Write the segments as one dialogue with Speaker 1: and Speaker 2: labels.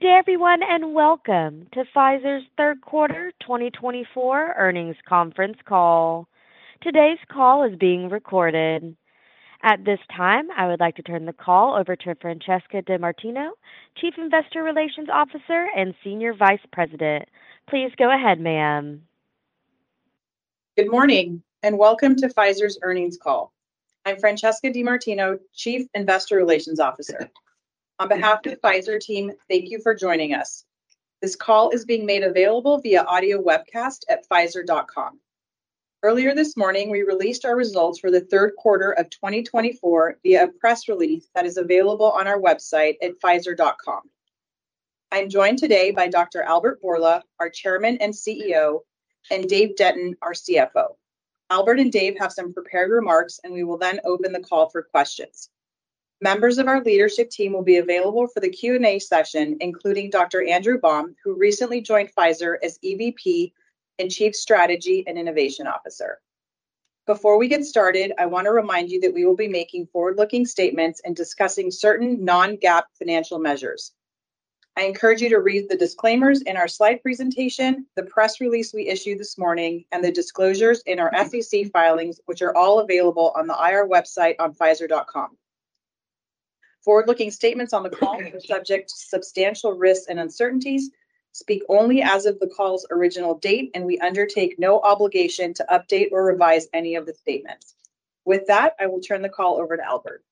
Speaker 1: Good day, everyone, and welcome to Pfizer's third quarter 2024 earnings conference call. Today's call is being recorded. At this time, I would like to turn the call over to Francesca DeMartino, Chief Investor Relations Officer and Senior Vice President. Please go ahead, ma'am.
Speaker 2: Good morning and welcome to Pfizer's earnings call. I'm Francesca DeMartino, Chief Investor Relations Officer. On behalf of the Pfizer team, thank you for joining us. This call is being made available via audio webcast at pfizer.com. Earlier this morning, we released our results for the third quarter of 2024 via a press release that is available on our website at pfizer.com. I'm joined today by Dr. Albert Bourla, our Chairman and CEO, and Dave Denton, our CFO. Albert and Dave have some prepared remarks, and we will then open the call for questions. Members of our leadership team will be available for the Q&A session, including Dr. Andrew Baum, who recently joined Pfizer as EVP and Chief Strategy and Innovation Officer. Before we get started, I want to remind you that we will be making forward-looking statements and discussing certain non-GAAP financial measures. I encourage you to read the disclaimers in our slide presentation, the press release we issued this morning, and the disclosures in our SEC filings, which are all available on the IR website on Pfizer.com. Forward-looking statements on the call are subject to substantial risks and uncertainties, speak only as of the call's original date, and we undertake no obligation to update or revise any of the statements. With that, I will turn the call over to Albert.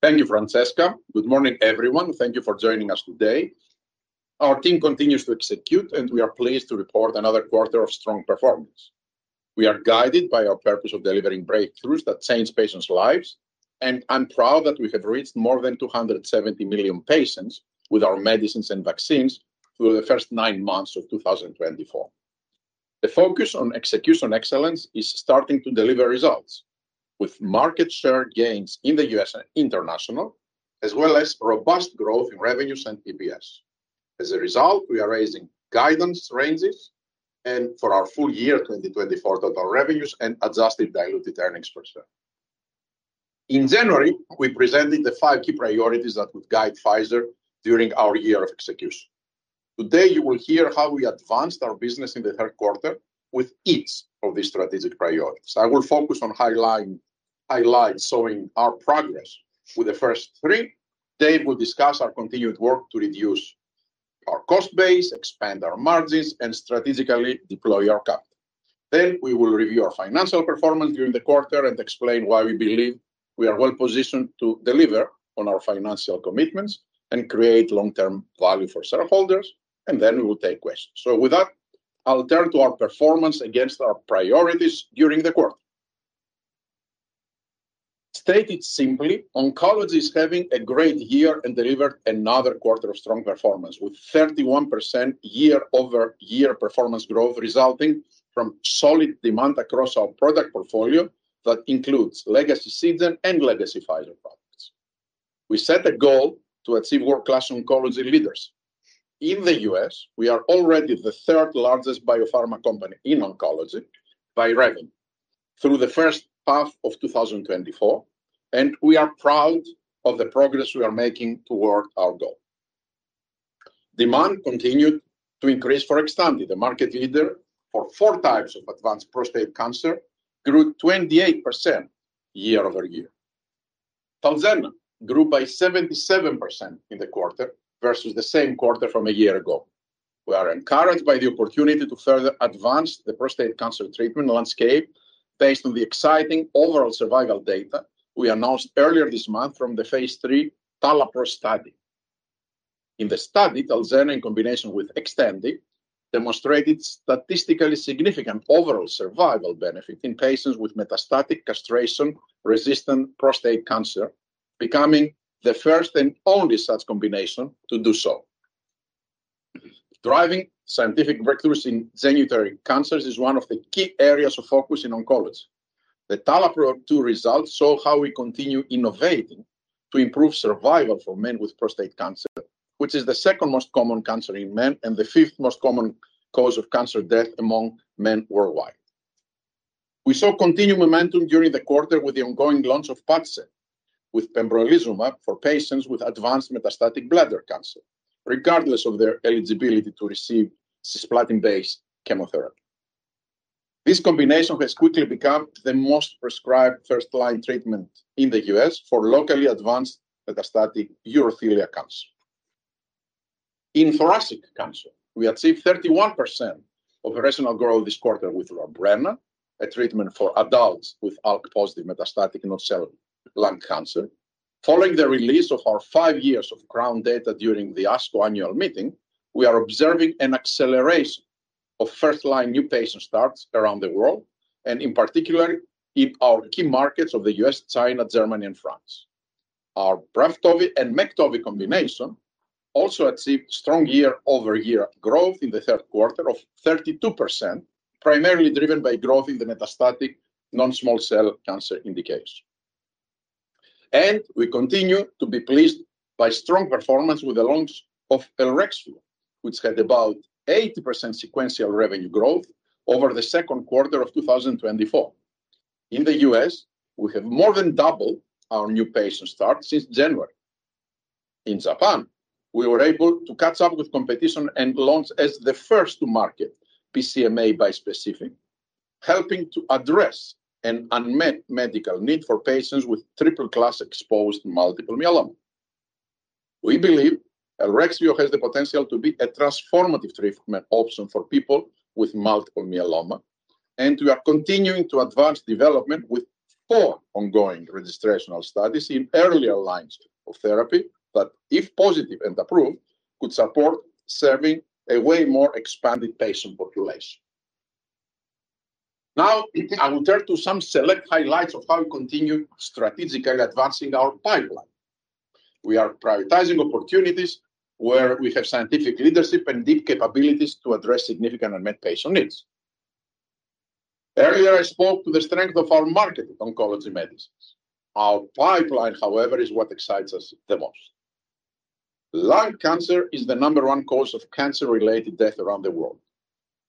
Speaker 3: Thank you, Francesca. Good morning, everyone. Thank you for joining us today. Our team continues to execute, and we are pleased to report another quarter of strong performance. We are guided by our purpose of delivering breakthroughs that change patients' lives, and I'm proud that we have reached more than 270 million patients with our medicines and vaccines through the first nine months of 2024. The focus on execution excellence is starting to deliver results, with market share gains in the U.S. and international, as well as robust growth in revenues and EPS. As a result, we are raising guidance ranges for our full year 2024 total revenues and adjusted diluted earnings per share. In January, we presented the five key priorities that would guide Pfizer during our year of execution. Today, you will hear how we advanced our business in the third quarter with each of these strategic priorities. I will focus on highlighting our progress with the first three. Dave will discuss our continued work to reduce our cost base, expand our margins, and strategically deploy our capital. Then, we will review our financial performance during the quarter and explain why we believe we are well positioned to deliver on our financial commitments and create long-term value for shareholders. And then we will take questions. So with that, I'll turn to our performance against our priorities during the quarter. Stated simply, oncology is having a great year and delivered another quarter of strong performance, with 31% year-over-year performance growth resulting from solid demand across our product portfolio that includes legacy Seagen and legacy Pfizer products. We set a goal to achieve world-class oncology leadership. In the US, we are already the third-largest biopharma company in oncology by revenue through the first half of 2024, and we are proud of the progress we are making toward our goal. Demand continued to increase for Xtandi, the market leader for four types of advanced prostate cancer, grew 28% year-over-year. Talzenna grew by 77% in the quarter versus the same quarter from a year ago. We are encouraged by the opportunity to further advance the prostate cancer treatment landscape based on the exciting overall survival data we announced earlier this month from the phase III Talapro study. In the study, Talzenna in combination with Xtandi demonstrated statistically significant overall survival benefit in patients with metastatic castration-resistant prostate cancer, becoming the first and only such combination to do so. Driving scientific breakthroughs in genitourinary cancers is one of the key areas of focus in oncology. The TALAPRO-2 results show how we continue innovating to improve survival for men with prostate cancer, which is the second most common cancer in men and the fifth most common cause of cancer death among men worldwide. We saw continued momentum during the quarter with the ongoing launch of Padcev with pembrolizumab for patients with advanced metastatic bladder cancer, regardless of their eligibility to receive cisplatin-based chemotherapy. This combination has quickly become the most prescribed first-line treatment in the U.S. for locally advanced metastatic urothelial cancer. In thoracic cancer, we achieved 31% operational growth this quarter with Lorbrena, a treatment for adults with ALK-positive metastatic non-small cell lung cancer. Following the release of our five-year OS data during the ASCO annual meeting, we are observing an acceleration of first-line new patient starts around the world, and in particular, our key markets of the U.S., China, Germany, and France. Our Braftovi and Mektovi combination also achieved strong year-over-year growth in the third quarter of 32%, primarily driven by growth in the metastatic non-small cell cancer indication. And we continue to be pleased by strong performance with the launch of Elrexfio, which had about 80% sequential revenue growth over the second quarter of 2024. In the U.S., we have more than doubled our new patient starts since January. In Japan, we were able to catch up with competition and launch as the first to market BCMA bispecific, helping to address an unmet medical need for patients with triple-class exposed multiple myeloma. We believe Elrexfio has the potential to be a transformative treatment option for people with multiple myeloma, and we are continuing to advance development with four ongoing registrational studies in earlier lines of therapy that, if positive and approved, could support serving a way more expanded patient population. Now, I will turn to some select highlights of how we continue strategically advancing our pipeline. We are prioritizing opportunities where we have scientific leadership and deep capabilities to address significant unmet patient needs. Earlier, I spoke to the strength of our market oncology medicines. Our pipeline, however, is what excites us the most. Lung cancer is the number one cause of cancer-related death around the world.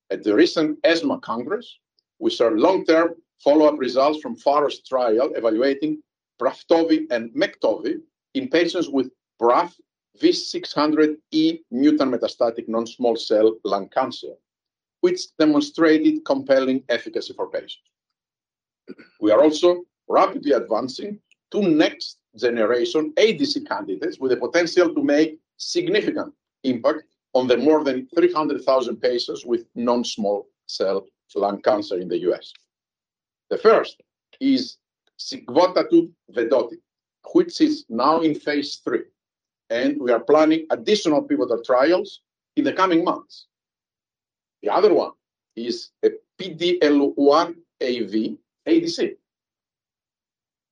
Speaker 3: At the recent ESMO Congress, we shared long-term follow-up results from Pharos trial evaluating Braftovi and Mektovi in patients with BRAF V600E mutant metastatic non-small cell lung cancer, which demonstrated compelling efficacy for patients. We are also rapidly advancing two next-generation ADC candidates with the potential to make a significant impact on the more than 300,000 patients with non-small cell lung cancer in the U.S. The first is sigvotatug vedotin, which is now in phase III, and we are planning additional pivotal trials in the coming months. The other one is PD-L1 ADC.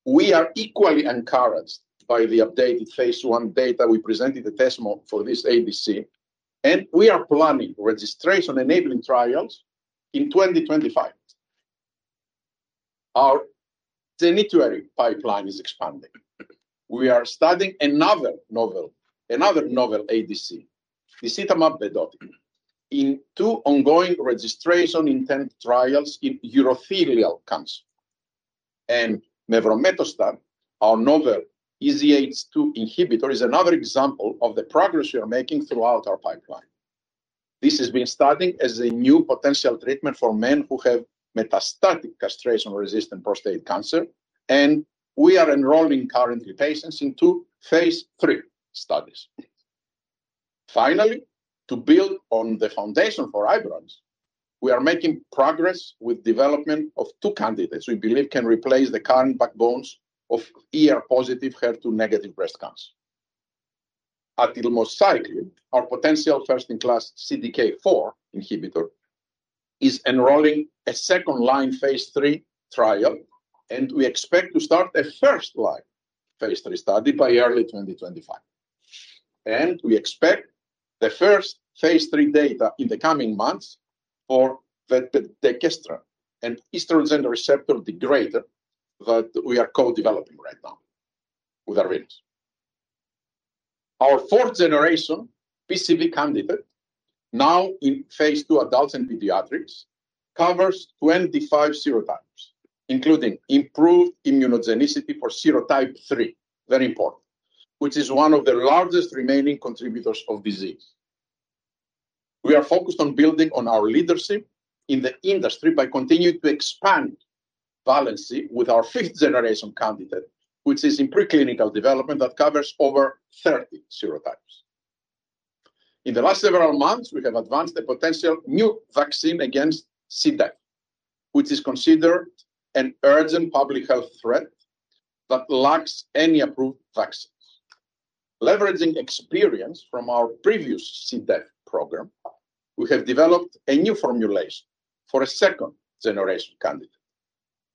Speaker 3: We are equally encouraged by the updated phase I data we presented at ESMO for this ADC, and we are planning registration-enabling trials in 2025. Our genitourinary pipeline is expanding. We are starting another novel ADC, disitamab vedotin, in two ongoing registration-intent trials in urothelial cancer. And mevrometostat, our novel EZH2 inhibitor, is another example of the progress we are making throughout our pipeline. This has been starting as a new potential treatment for men who have metastatic castration-resistant prostate cancer, and we are enrolling currently patients in two phase III studies. Finally, to build on the foundation for Ibrance, we are making progress with the development of two candidates we believe can replace the current backbones of ER-positive HER2-negative breast cancer. In oncology, our potential first-in-class CDK4 inhibitor is enrolling a second-line phase III trial, and we expect to start a first-line phase III study by early 2025, and we expect the first phase III data in the coming months for the vepdegestrant and estrogen receptor degrader that we are co-developing right now with Arvinas. Our fourth-generation PCV candidate, now in phase II adults and pediatrics, covers 25 serotypes, including improved immunogenicity for serotype III, very important, which is one of the largest remaining contributors of disease. We are focused on building on our leadership in the industry by continuing to expand valency with our fifth-generation candidate, which is in preclinical development that covers over 30 serotypes. In the last several months, we have advanced a potential new vaccine against C. diff, which is considered an urgent public health threat that lacks any approved vaccines. Leveraging experience from our previous CDEF program, we have developed a new formulation for a second-generation candidate.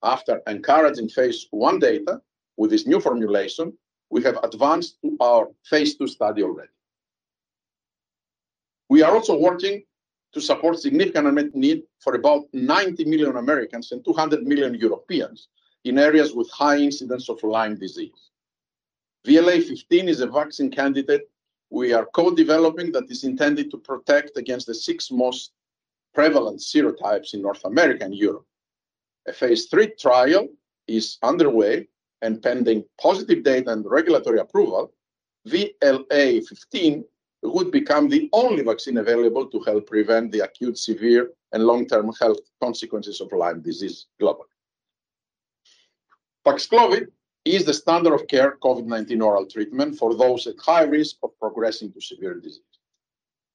Speaker 3: After encouraging phase I data, with this new formulation, we have advanced to our phase II study already. We are also working to support significant unmet need for about 90 million Americans and 200 million Europeans in areas with high incidence of Lyme disease. VLA15 is a vaccine candidate we are co-developing that is intended to protect against the six most prevalent serotypes in North America and Europe. A phase III trial is underway, and pending positive data and regulatory approval, VLA15 would become the only vaccine available to help prevent the acute, severe, and long-term health consequences of Lyme disease globally. Paxlovid is the standard of care COVID-19 oral treatment for those at high risk of progressing to severe disease.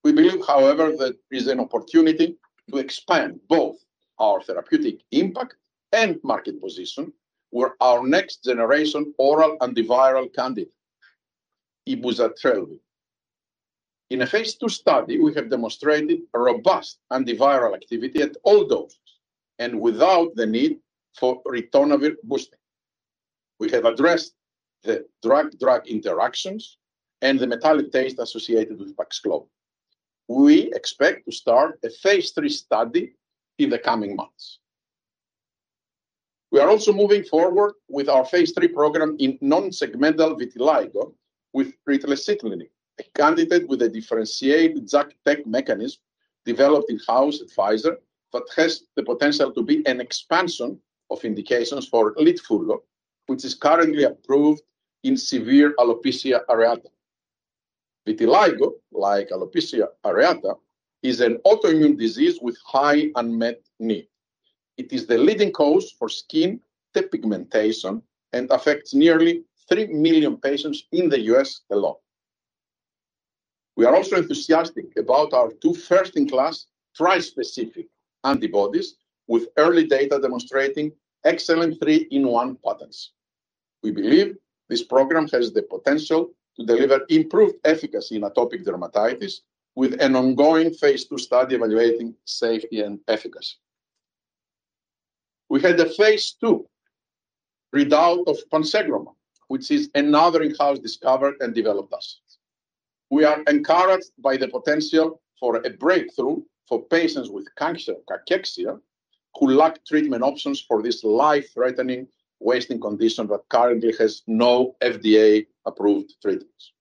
Speaker 3: We believe, however, that there is an opportunity to expand both our therapeutic impact and market position with our next-generation oral antiviral candidate, Ibuzatrelvir. In a phase II study, we have demonstrated robust antiviral activity at all doses and without the need for ritonavir boosting. We have addressed the drug-drug interactions and the metallic taste associated with Paxlovid. We expect to start a phase III study in the coming months. We are also moving forward with our phase III program in nonsegmental vitiligo with ritlecitinib, a candidate with a differentiated JAK inhibitor mechanism developed in-house at Pfizer that has the potential to be an expansion of indications for Litfullo, which is currently approved in severe alopecia areata. Vitiligo, like alopecia areata, is an autoimmune disease with high unmet need. It is the leading cause for skin depigmentation and affects nearly three million patients in the U.S. alone. We are also enthusiastic about our two first-in-class trispecific antibodies with early data demonstrating excellent three-in-one patterns. We believe this program has the potential to deliver improved efficacy in atopic dermatitis with an ongoing phase II study evaluating safety and efficacy. We had a phase II readout of Ponsegromab, which is another in-house discovered and developed asset. We are encouraged by the potential for a breakthrough for patients with cancer or cachexia who lack treatment options for this life-threatening wasting condition that currently has no FDA-approved treatments.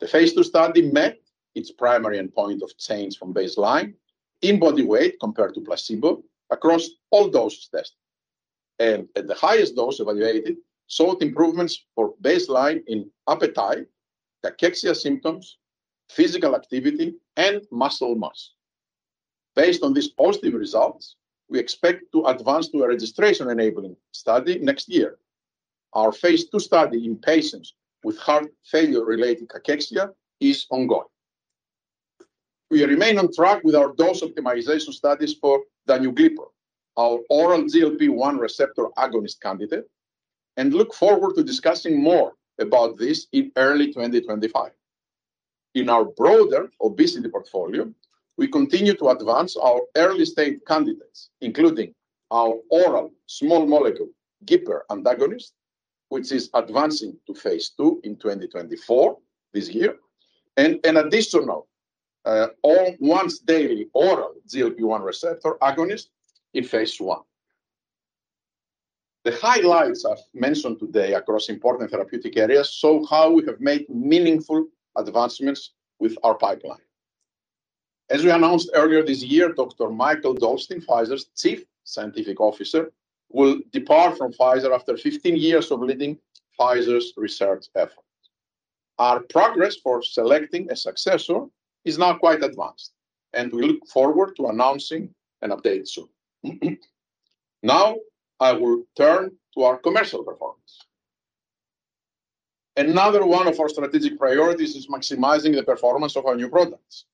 Speaker 3: The phase II study met its primary endpoint of change from baseline in body weight compared to placebo across all doses tested, and at the highest dose evaluated, showed improvements from baseline in appetite, cachexia symptoms, physical activity, and muscle mass. Based on these positive results, we expect to advance to a registration-enabling study next year. Our phase II study in patients with heart failure-related cachexia is ongoing. We remain on track with our dose optimization studies for Danuglipron, our oral GLP-1 receptor agonist candidate, and look forward to discussing more about this in early 2025. In our broader obesity portfolio, we continue to advance our early-stage candidates, including our oral small molecule GIPR antagonist, which is advancing to phase II in 2024 this year, and an additional all-once-daily oral GLP-1 receptor agonist in phase I. The highlights I've mentioned today across important therapeutic areas show how we have made meaningful advancements with our pipeline. As we announced earlier this year, Dr. Mikael Dolsten, Pfizer's Chief Scientific Officer, will depart from Pfizer after 15 years of leading Pfizer's research efforts. Our progress for selecting a successor is now quite advanced, and we look forward to announcing an update soon. Now, I will turn to our commercial performance. Another one of our strategic priorities is maximizing the performance of our new products.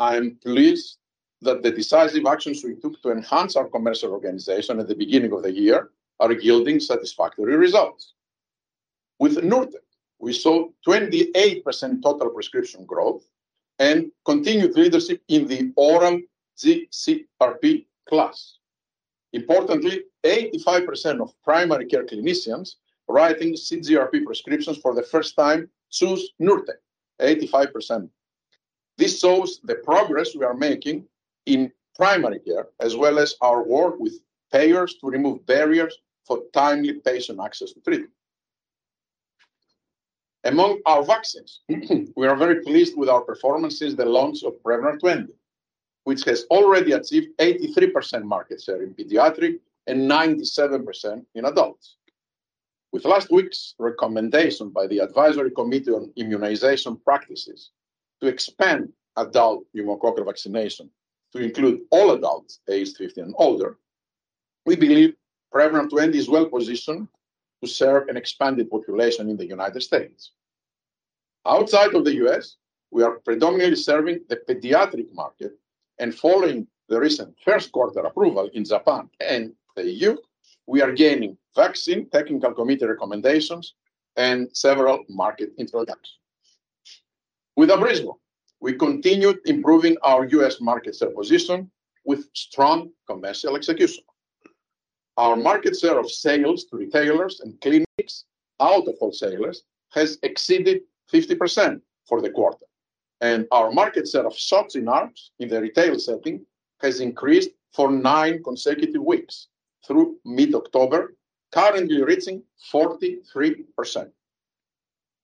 Speaker 3: I am pleased that the decisive actions we took to enhance our commercial organization at the beginning of the year are yielding satisfactory results. With Nurtec, we saw 28% total prescription growth and continued leadership in the oral CGRP class. Importantly, 85% of primary care clinicians writing CGRP prescriptions for the first time choose Nurtec, 85%. This shows the progress we are making in primary care, as well as our work with payers to remove barriers for timely patient access to treatment. Among our vaccines, we are very pleased with our performance since the launch of Prevnar 20, which has already achieved 83% market share in pediatric and 97% in adults. With last week's recommendation by the Advisory Committee on Immunization Practices to expand adult pneumococcal vaccination to include all adults aged 15 and older, we believe Prevnar 20 is well positioned to serve an expanded population in the United States. Outside of the U.S., we are predominantly serving the pediatric market, and following the recent first-quarter approval in Japan and the EU, we are gaining vaccine technical committee recommendations and several market introductions. With Abrysvo, we continued improving our U.S. market share position with strong commercial execution. Our market share of sales to retailers and clinics out of wholesalers has exceeded 50% for the quarter, and our market share of shots in arms in the retail setting has increased for nine consecutive weeks through mid-October, currently reaching 43%.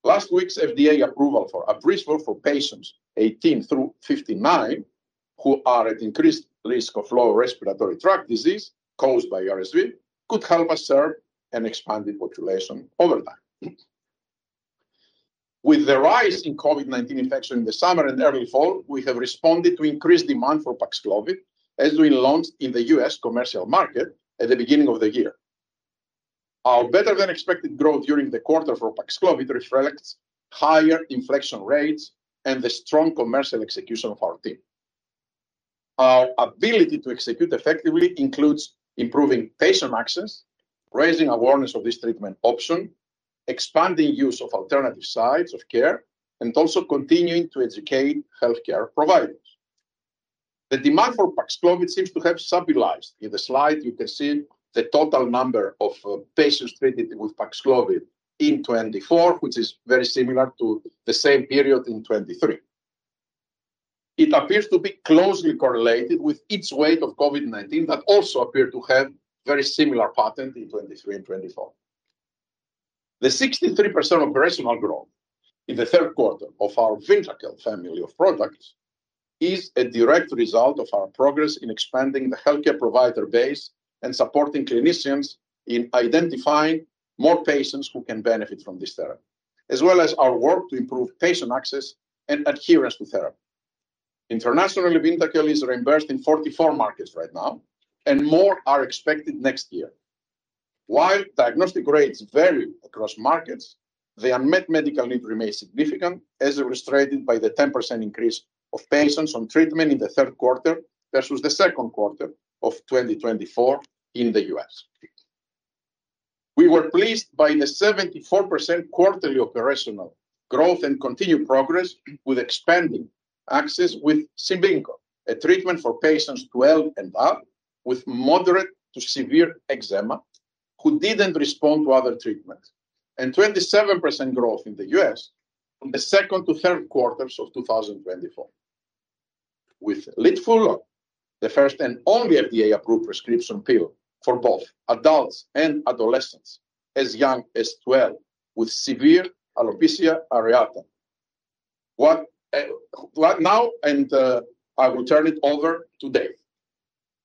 Speaker 3: Last week's FDA approval for Abrysvo for patients 18 through 59, who are at increased risk of lower respiratory tract disease caused by RSV, could help us serve an expanded population over time. With the rise in COVID-19 infection in the summer and early fall, we have responded to increased demand for Paxlovid, as we launched in the U.S. commercial market at the beginning of the year. Our better-than-expected growth during the quarter for Paxlovid reflects higher infection rates and the strong commercial execution of our team. Our ability to execute effectively includes improving patient access, raising awareness of this treatment option, expanding use of alternative sites of care, and also continuing to educate healthcare providers. The demand for Paxlovid seems to have stabilized. In the slide, you can see the total number of patients treated with Paxlovid in 2024, which is very similar to the same period in 2023. It appears to be closely correlated with its wave of COVID-19 that also appeared to have a very similar pattern in 2023 and 2024. The 63% operational growth in the third quarter of our VYNDAQEL family of products is a direct result of our progress in expanding the healthcare provider base and supporting clinicians in identifying more patients who can benefit from this therapy, as well as our work to improve patient access and adherence to therapy. Internationally, VYNDAQEL is reimbursed in 44 markets right now, and more are expected next year. While diagnostic rates vary across markets, the unmet medical need remains significant, as illustrated by the 10% increase of patients on treatment in the third quarter versus the second quarter of 2024 in the U.S.. We were pleased by the 74% quarterly operational growth and continued progress with expanding access with Cibinqo, a treatment for patients 12 and up with moderate to severe eczema who didn't respond to other treatments, and 27% growth in the U.S. from the second to third quarters of 2024. With Litfullo, the first and only FDA-approved prescription pill for both adults and adolescents as young as 12 with severe alopecia areata. Now, I will turn it over to Dave.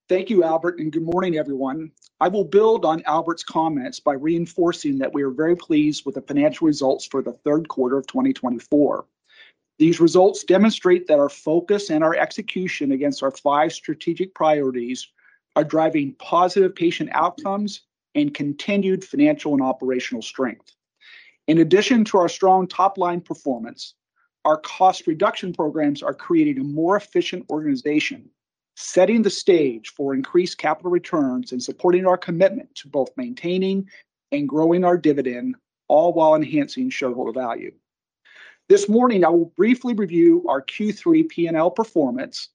Speaker 4: Thank you, Albert, and good morning, everyone. I will build on Albert's comments by reinforcing that we are very pleased with the financial results for the third quarter of 2024. These results demonstrate that our focus and our execution against our five strategic priorities are driving positive patient outcomes and continued financial and operational strength. In addition to our strong top-line performance, our cost reduction programs are creating a more efficient organization, setting the stage for increased capital returns and supporting our commitment to both maintaining and growing our dividend, all while enhancing shareholder value. This morning, I will briefly review our Q3 P&L performance.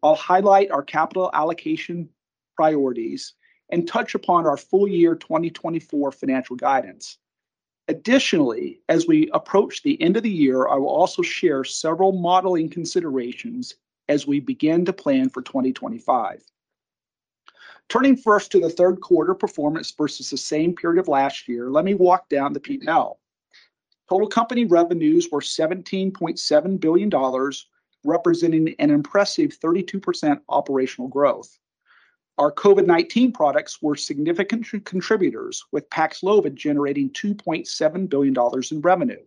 Speaker 4: I'll highlight our capital allocation priorities and touch upon our full-year 2024 financial guidance. Additionally, as we approach the end of the year, I will also share several modeling considerations as we begin to plan for 2025. Turning first to the third quarter performance versus the same period of last year, let me walk down the P&L. Total company revenues were $17.7 billion, representing an impressive 32% operational growth. Our COVID-19 products were significant contributors, with Paxlovid generating $2.7 billion in revenue.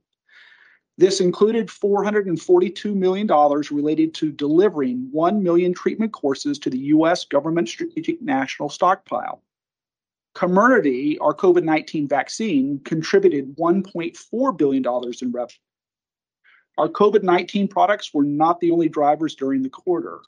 Speaker 4: This included $442 million related to delivering one million treatment courses to the U.S. government Strategic National Stockpile. Comirnaty, our COVID-19 vaccine, contributed $1.4 billion in revenue. Our COVID-19 products were not the only drivers during the quarter.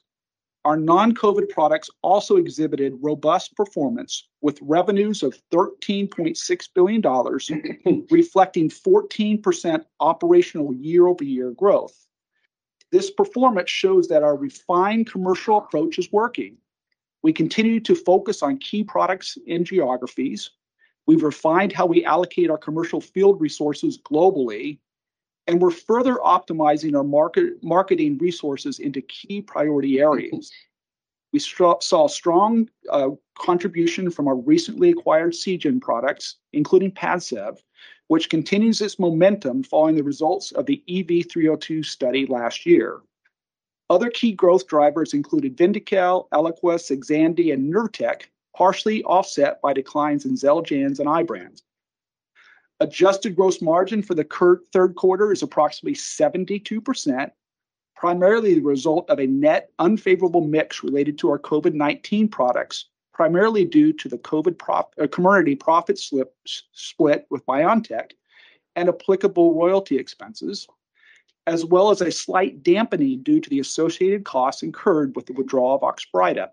Speaker 4: Our non-COVID products also exhibited robust performance, with revenues of $13.6 billion, reflecting 14% operational year-over-year growth. This performance shows that our refined commercial approach is working. We continue to focus on key products and geographies. We've refined how we allocate our commercial field resources globally, and we're further optimizing our marketing resources into key priority areas. We saw a strong contribution from our recently acquired Seagen products, including Padcev, which continues its momentum following the results of the EV-302 study last year. Other key growth drivers included Vyndaqel, Eliquis, Xtandi, and Nurtec, partially offset by declines in Xeljanz and Ibrance. Adjusted gross margin for the third quarter is approximately 72%, primarily the result of a net unfavorable mix related to our COVID-19 products, primarily due to the COVID Commercial Profit Split with BioNTech and applicable royalty expenses, as well as a slight dampening due to the associated costs incurred with the withdrawal of Oxbryta.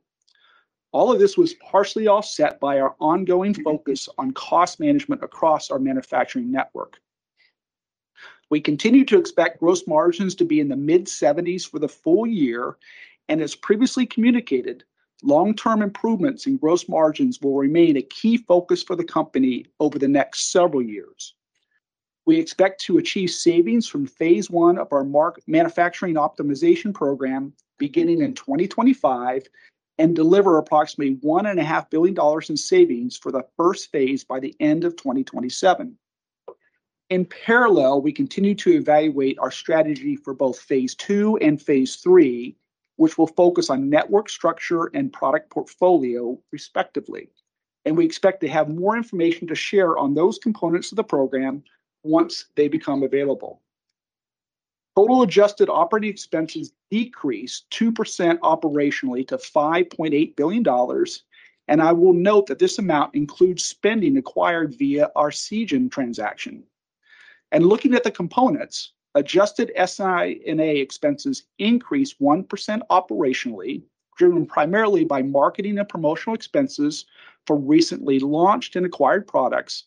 Speaker 4: All of this was partially offset by our ongoing focus on cost management across our manufacturing network. We continue to expect gross margins to be in the mid-70s for the full year, and as previously communicated, long-term improvements in gross margins will remain a key focus for the company over the next several years. We expect to achieve savings from phase one of our manufacturing optimization program beginning in 2025 and deliver approximately $1.5 billion in savings for the first phase by the end of 2027. In parallel, we continue to evaluate our strategy for both phase two and phase three, which will focus on network structure and product portfolio, respectively, and we expect to have more information to share on those components of the program once they become available. Total adjusted operating expenses decreased 2% operationally to $5.8 billion, and I will note that this amount includes spending acquired via our Seagen transaction, and looking at the components, adjusted SI&A expenses increased 1% operationally, driven primarily by marketing and promotional expenses for recently launched and acquired products,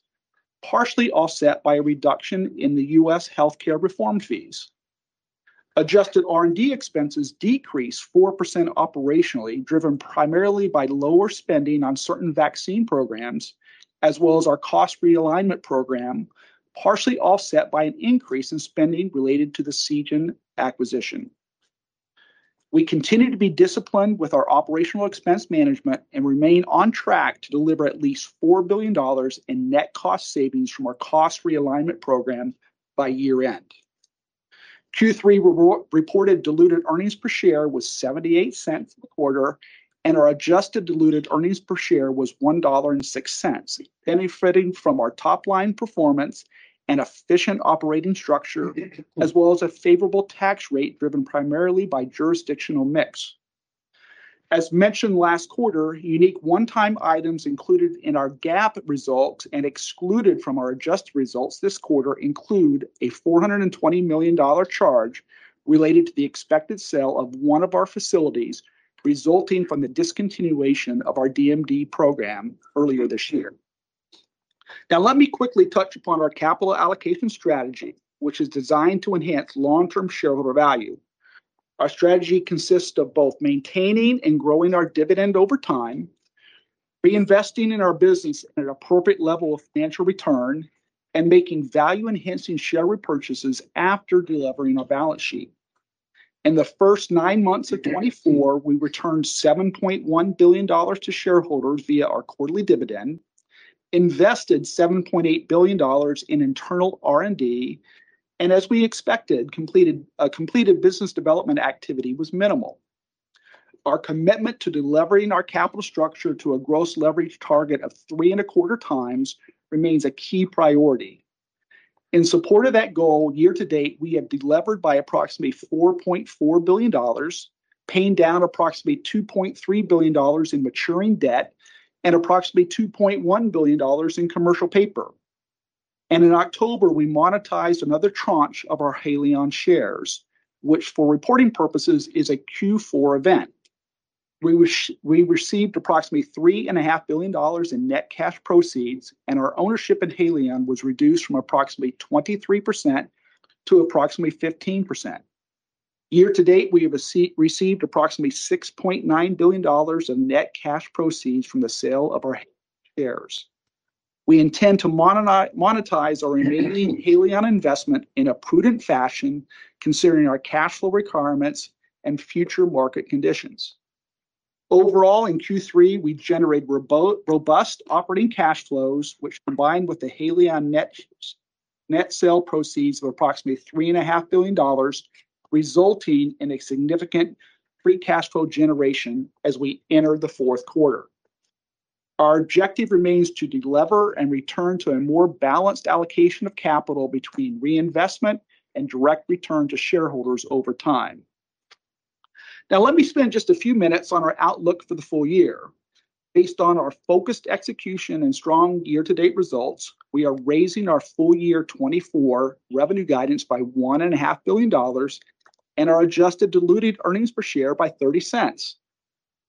Speaker 4: partially offset by a reduction in the U.S. healthcare reform fees. Adjusted R&D expenses decreased 4% operationally, driven primarily by lower spending on certain vaccine programs, as well as our cost realignment program, partially offset by an increase in spending related to the Seagen acquisition. We continue to be disciplined with our operational expense management and remain on track to deliver at least $4 billion in net cost savings from our cost realignment program by year-end. Q3 reported diluted earnings per share was $0.78 for the quarter, and our adjusted diluted earnings per share was $1.06, benefiting from our top-line performance and efficient operating structure, as well as a favorable tax rate driven primarily by jurisdictional mix. As mentioned last quarter, unique one-time items included in our GAAP results and excluded from our adjusted results this quarter include a $420 million charge related to the expected sale of one of our facilities, resulting from the discontinuation of our DMD program earlier this year. Now, let me quickly touch upon our capital allocation strategy, which is designed to enhance long-term shareholder value. Our strategy consists of both maintaining and growing our dividend over time, reinvesting in our business at an appropriate level of financial return, and making value-enhancing share repurchases after delivering our balance sheet. In the first nine months of 2024, we returned $7.1 billion to shareholders via our quarterly dividend, invested $7.8 billion in internal R&D, and, as we expected, completed business development activity was minimal. Our commitment to delivering our capital structure to a gross leverage target of three and a quarter times remains a key priority. In support of that goal, year to date, we have delivered by approximately $4.4 billion, paying down approximately $2.3 billion in maturing debt and approximately $2.1 billion in commercial paper. In October, we monetized another tranche of our Haleon shares, which, for reporting purposes, is a Q4 event. We received approximately $3.5 billion in net cash proceeds, and our ownership in Haleon was reduced from approximately 23% to approximately 15%. Year to date, we have received approximately $6.9 billion of net cash proceeds from the sale of our shares. We intend to monetize our remaining Haleon investment in a prudent fashion, considering our cash flow requirements and future market conditions. Overall, in Q3, we generated robust operating cash flows, which combined with the Haleon net sale proceeds of approximately $3.5 billion, resulting in a significant free cash flow generation as we enter the fourth quarter. Our objective remains to deliver and return to a more balanced allocation of capital between reinvestment and direct return to shareholders over time. Now, let me spend just a few minutes on our outlook for the full year. Based on our focused execution and strong year-to-date results, we are raising our full-year 2024 revenue guidance by $1.5 billion and our adjusted diluted earnings per share by $0.30.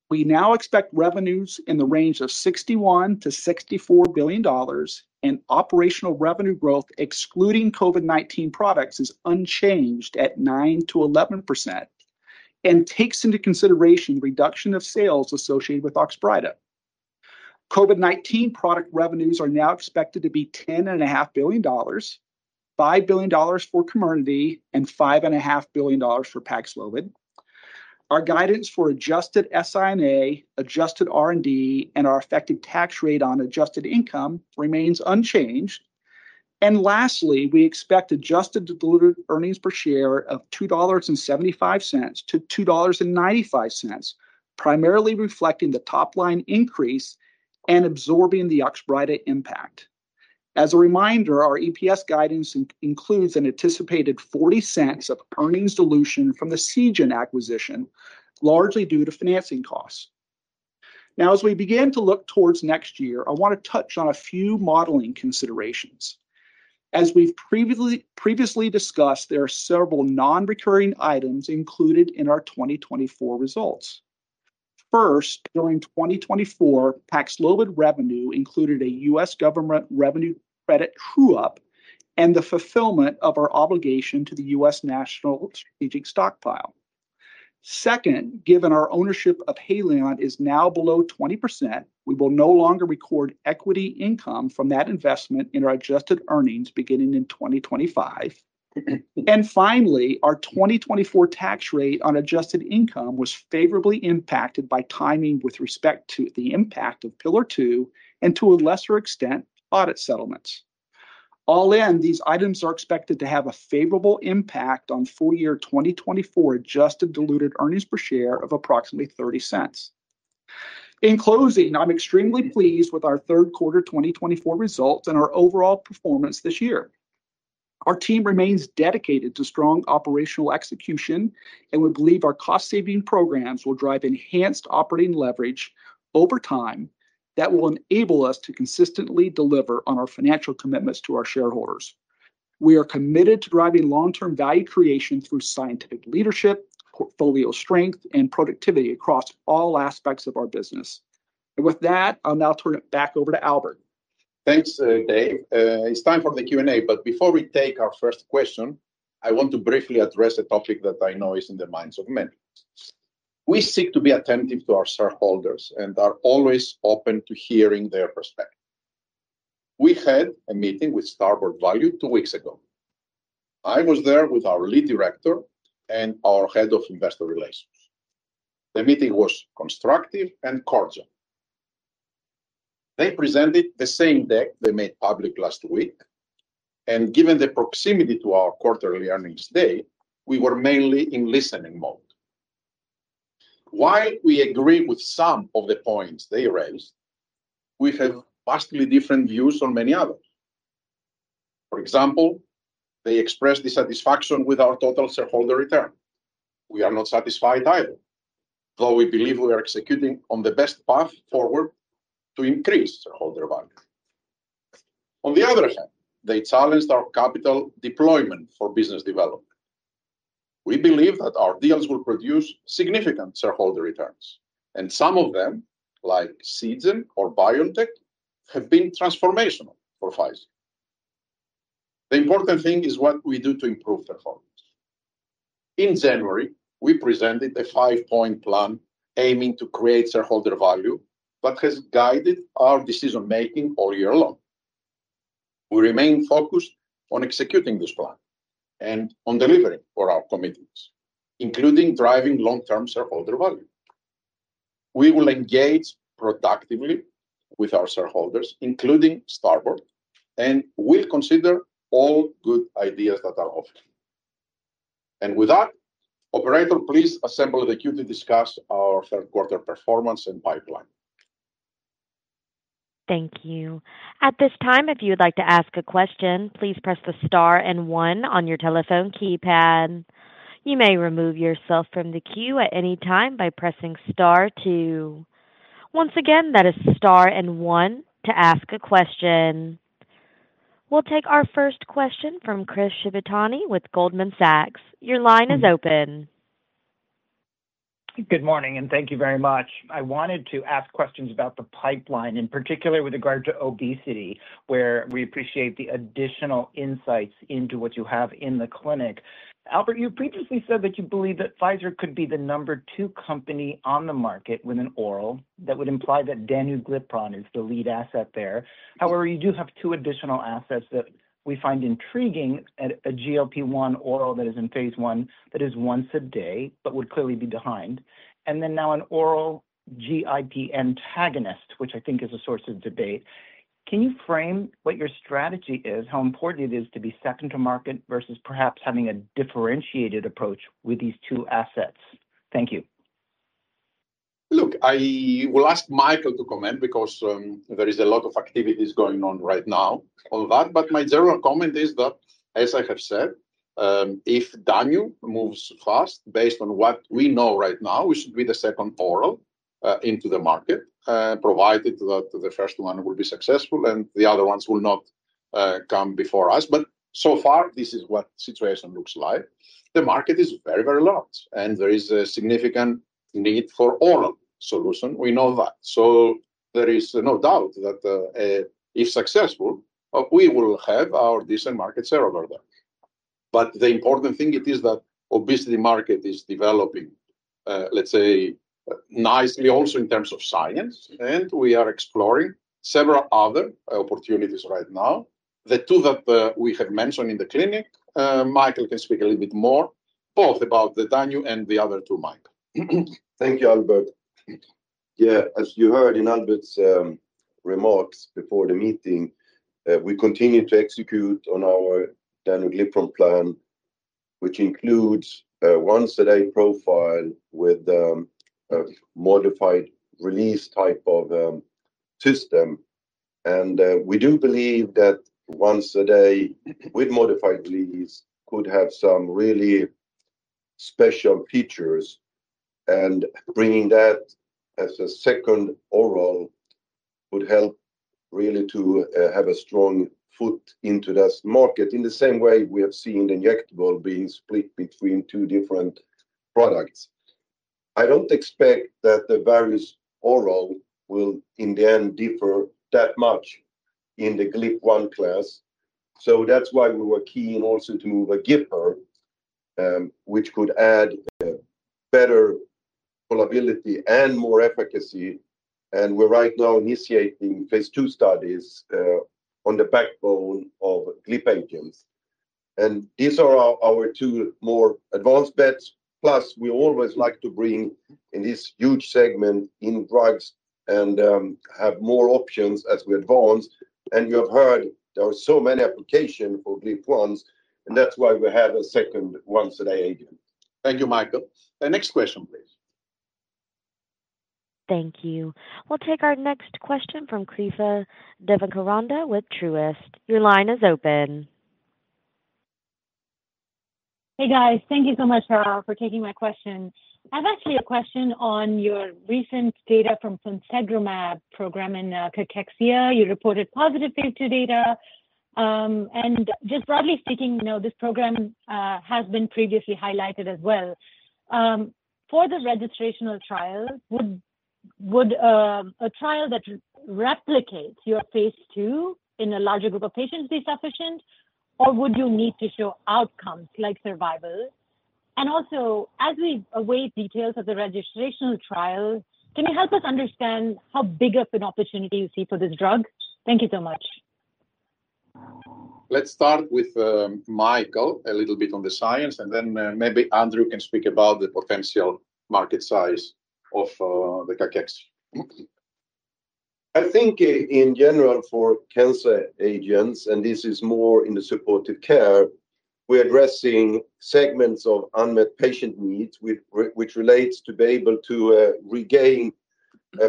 Speaker 4: We now expect revenues in the range of $61 billion-$64 billion, and operational revenue growth, excluding COVID-19 products, is unchanged at 9%-11% and takes into consideration reduction of sales associated with Oxbryta. COVID-19 product revenues are now expected to be $10.5 billion, $5 billion for Comirnaty, and $5.5 billion for Paxlovid. Our guidance for adjusted SI&A, adjusted R&D, and our effective tax rate on adjusted income remains unchanged. Lastly, we expect adjusted diluted earnings per share of $2.75-$2.95, primarily reflecting the top-line increase and absorbing the Oxbryta impact. As a reminder, our EPS guidance includes an anticipated $0.40 of earnings dilution from the Seagen acquisition, largely due to financing costs. Now, as we begin to look towards next year, I want to touch on a few modeling considerations. As we've previously discussed, there are several non-recurring items included in our 2024 results. First, during 2024, Paxlovid revenue included a U.S. government revenue credit true-up and the fulfillment of our obligation to the U.S. national strategic stockpile. Second, given our ownership of Haleon is now below 20%, we will no longer record equity income from that investment in our adjusted earnings beginning in 2025. And finally, our 2024 tax rate on adjusted income was favorably impacted by timing with respect to the impact of Pillar Two and, to a lesser extent, audit settlements. All in, these items are expected to have a favorable impact on full-year 2024 adjusted diluted earnings per share of approximately $0.30. In closing, I'm extremely pleased with our third quarter 2024 results and our overall performance this year. Our team remains dedicated to strong operational execution, and we believe our cost-saving programs will drive enhanced operating leverage over time that will enable us to consistently deliver on our financial commitments to our shareholders. We are committed to driving long-term value creation through scientific leadership, portfolio strength, and productivity across all aspects of our business. And with that, I'll now turn it back over to Albert.
Speaker 3: Thanks, Dave. It's time for the Q&A, but before we take our first question, I want to briefly address a topic that I know is in the minds of many. We seek to be attentive to our shareholders and are always open to hearing their perspective. We had a meeting with Starboard Value two weeks ago. I was there with our Lead Director and our Head of Investor Relations. The meeting was constructive and cordial. They presented the same deck they made public last week, and given the proximity to our quarterly earnings day, we were mainly in listening mode. While we agree with some of the points they raised, we have vastly different views on many others. For example, they expressed dissatisfaction with our total shareholder return. We are not satisfied either, though we believe we are executing on the best path forward to increase shareholder value. On the other hand, they challenged our capital deployment for business development. We believe that our deals will produce significant shareholder returns, and some of them, like Seagen or BioNTech, have been transformational for Pfizer. The important thing is what we do to improve performance. In January, we presented a five-point plan aiming to create shareholder value that has guided our decision-making all year long. We remain focused on executing this plan and on delivering for our commitments, including driving long-term shareholder value. We will engage productively with our shareholders, including Starboard, and we'll consider all good ideas that are offered. And with that, Operator, please assemble the queue to discuss our third-quarter performance and pipeline.
Speaker 1: Thank you. At this time, if you'd like to ask a question, please press the star and one on your telephone keypad. You may remove yourself from the queue at any time by pressing star two. Once again, that is star and one to ask a question. We'll take our first question from Chris Shibutani with Goldman Sachs. Your line is open.
Speaker 5: Good morning, and thank you very much. I wanted to ask questions about the pipeline, in particular with regard to obesity, where we appreciate the additional insights into what you have in the clinic. Albert, you previously said that you believe that Pfizer could be the number two company on the market with an oral that would imply that Danuglipron is the lead asset there. However, you do have two additional assets that we find intriguing: a GLP-1 oral that is in phase I that is once a day but would clearly be behind, and then now an oral GIP antagonist, which I think is a source of debate. Can you frame what your strategy is, how important it is to be second to market versus perhaps having a differentiated approach with these two assets? Thank you.
Speaker 3: Look, I will ask Mikael to comment because there is a lot of activities going on right now on that, but my general comment is that, as I have said, if Danu moves fast, based on what we know right now, we should be the second oral into the market, provided that the first one will be successful and the other ones will not come before us. But so far, this is what the situation looks like. The market is very, very large, and there is a significant need for oral solution. We know that. So there is no doubt that if successful, we will have our decent market share over there. But the important thing is that the obesity market is developing, let's say, nicely also in terms of science, and we are exploring several other opportunities right now. The two that we have mentioned in the clinic, Mikael can speak a little bit more, both about the Danu and the other two, Mikael.
Speaker 6: Thank you, Albert. Yeah, as you heard in Albert's remarks before the meeting, we continue to execute on our Danuglipron plan, which includes a once-a-day profile with a modified release type of system. And we do believe that once a day with modified release could have some really special features, and bringing that as a second oral would help really to have a strong foot into this market in the same way we have seen the injectable being split between two different products. I don't expect that the various oral will in the end differ that much in the GLP-1 class. So that's why we were keen also to move a GIP-er, which could add better probability and more efficacy. We're right now initiating phase ll studies on the backbone of GLP agents. These are our two more advanced bets. Plus, we always like to bring in this huge segment in drugs and have more options as we advance. You have heard there are so many applications for GLP-1s, and that's why we have a second once-a-day agent. Thank you, Mikael. Next question, please.
Speaker 1: Thank you. We'll take our next question from Kripa Devarakonda with Truist. Your line is open.
Speaker 7: Hey, guys. Thank you so much for taking my question. I have actually a question on your recent data from Ponsegromab program in cachexia. You reported positive phase ll data. Just broadly speaking, this program has been previously highlighted as well. For the registrational trials, would a trial that replicates your phase ll in a larger group of patients be sufficient, or would you need to show outcomes like survival? And also, as we await details of the registrational trial, can you help us understand how big of an opportunity you see for this drug? Thank you so much.
Speaker 8: Let's start with Mikael a little bit on the science, and then maybe Andrew can speak about the potential market size of the cachexia. I think in general for cancer agents, and this is more in the supportive care, we're addressing segments of unmet patient needs, which relates to being able to regain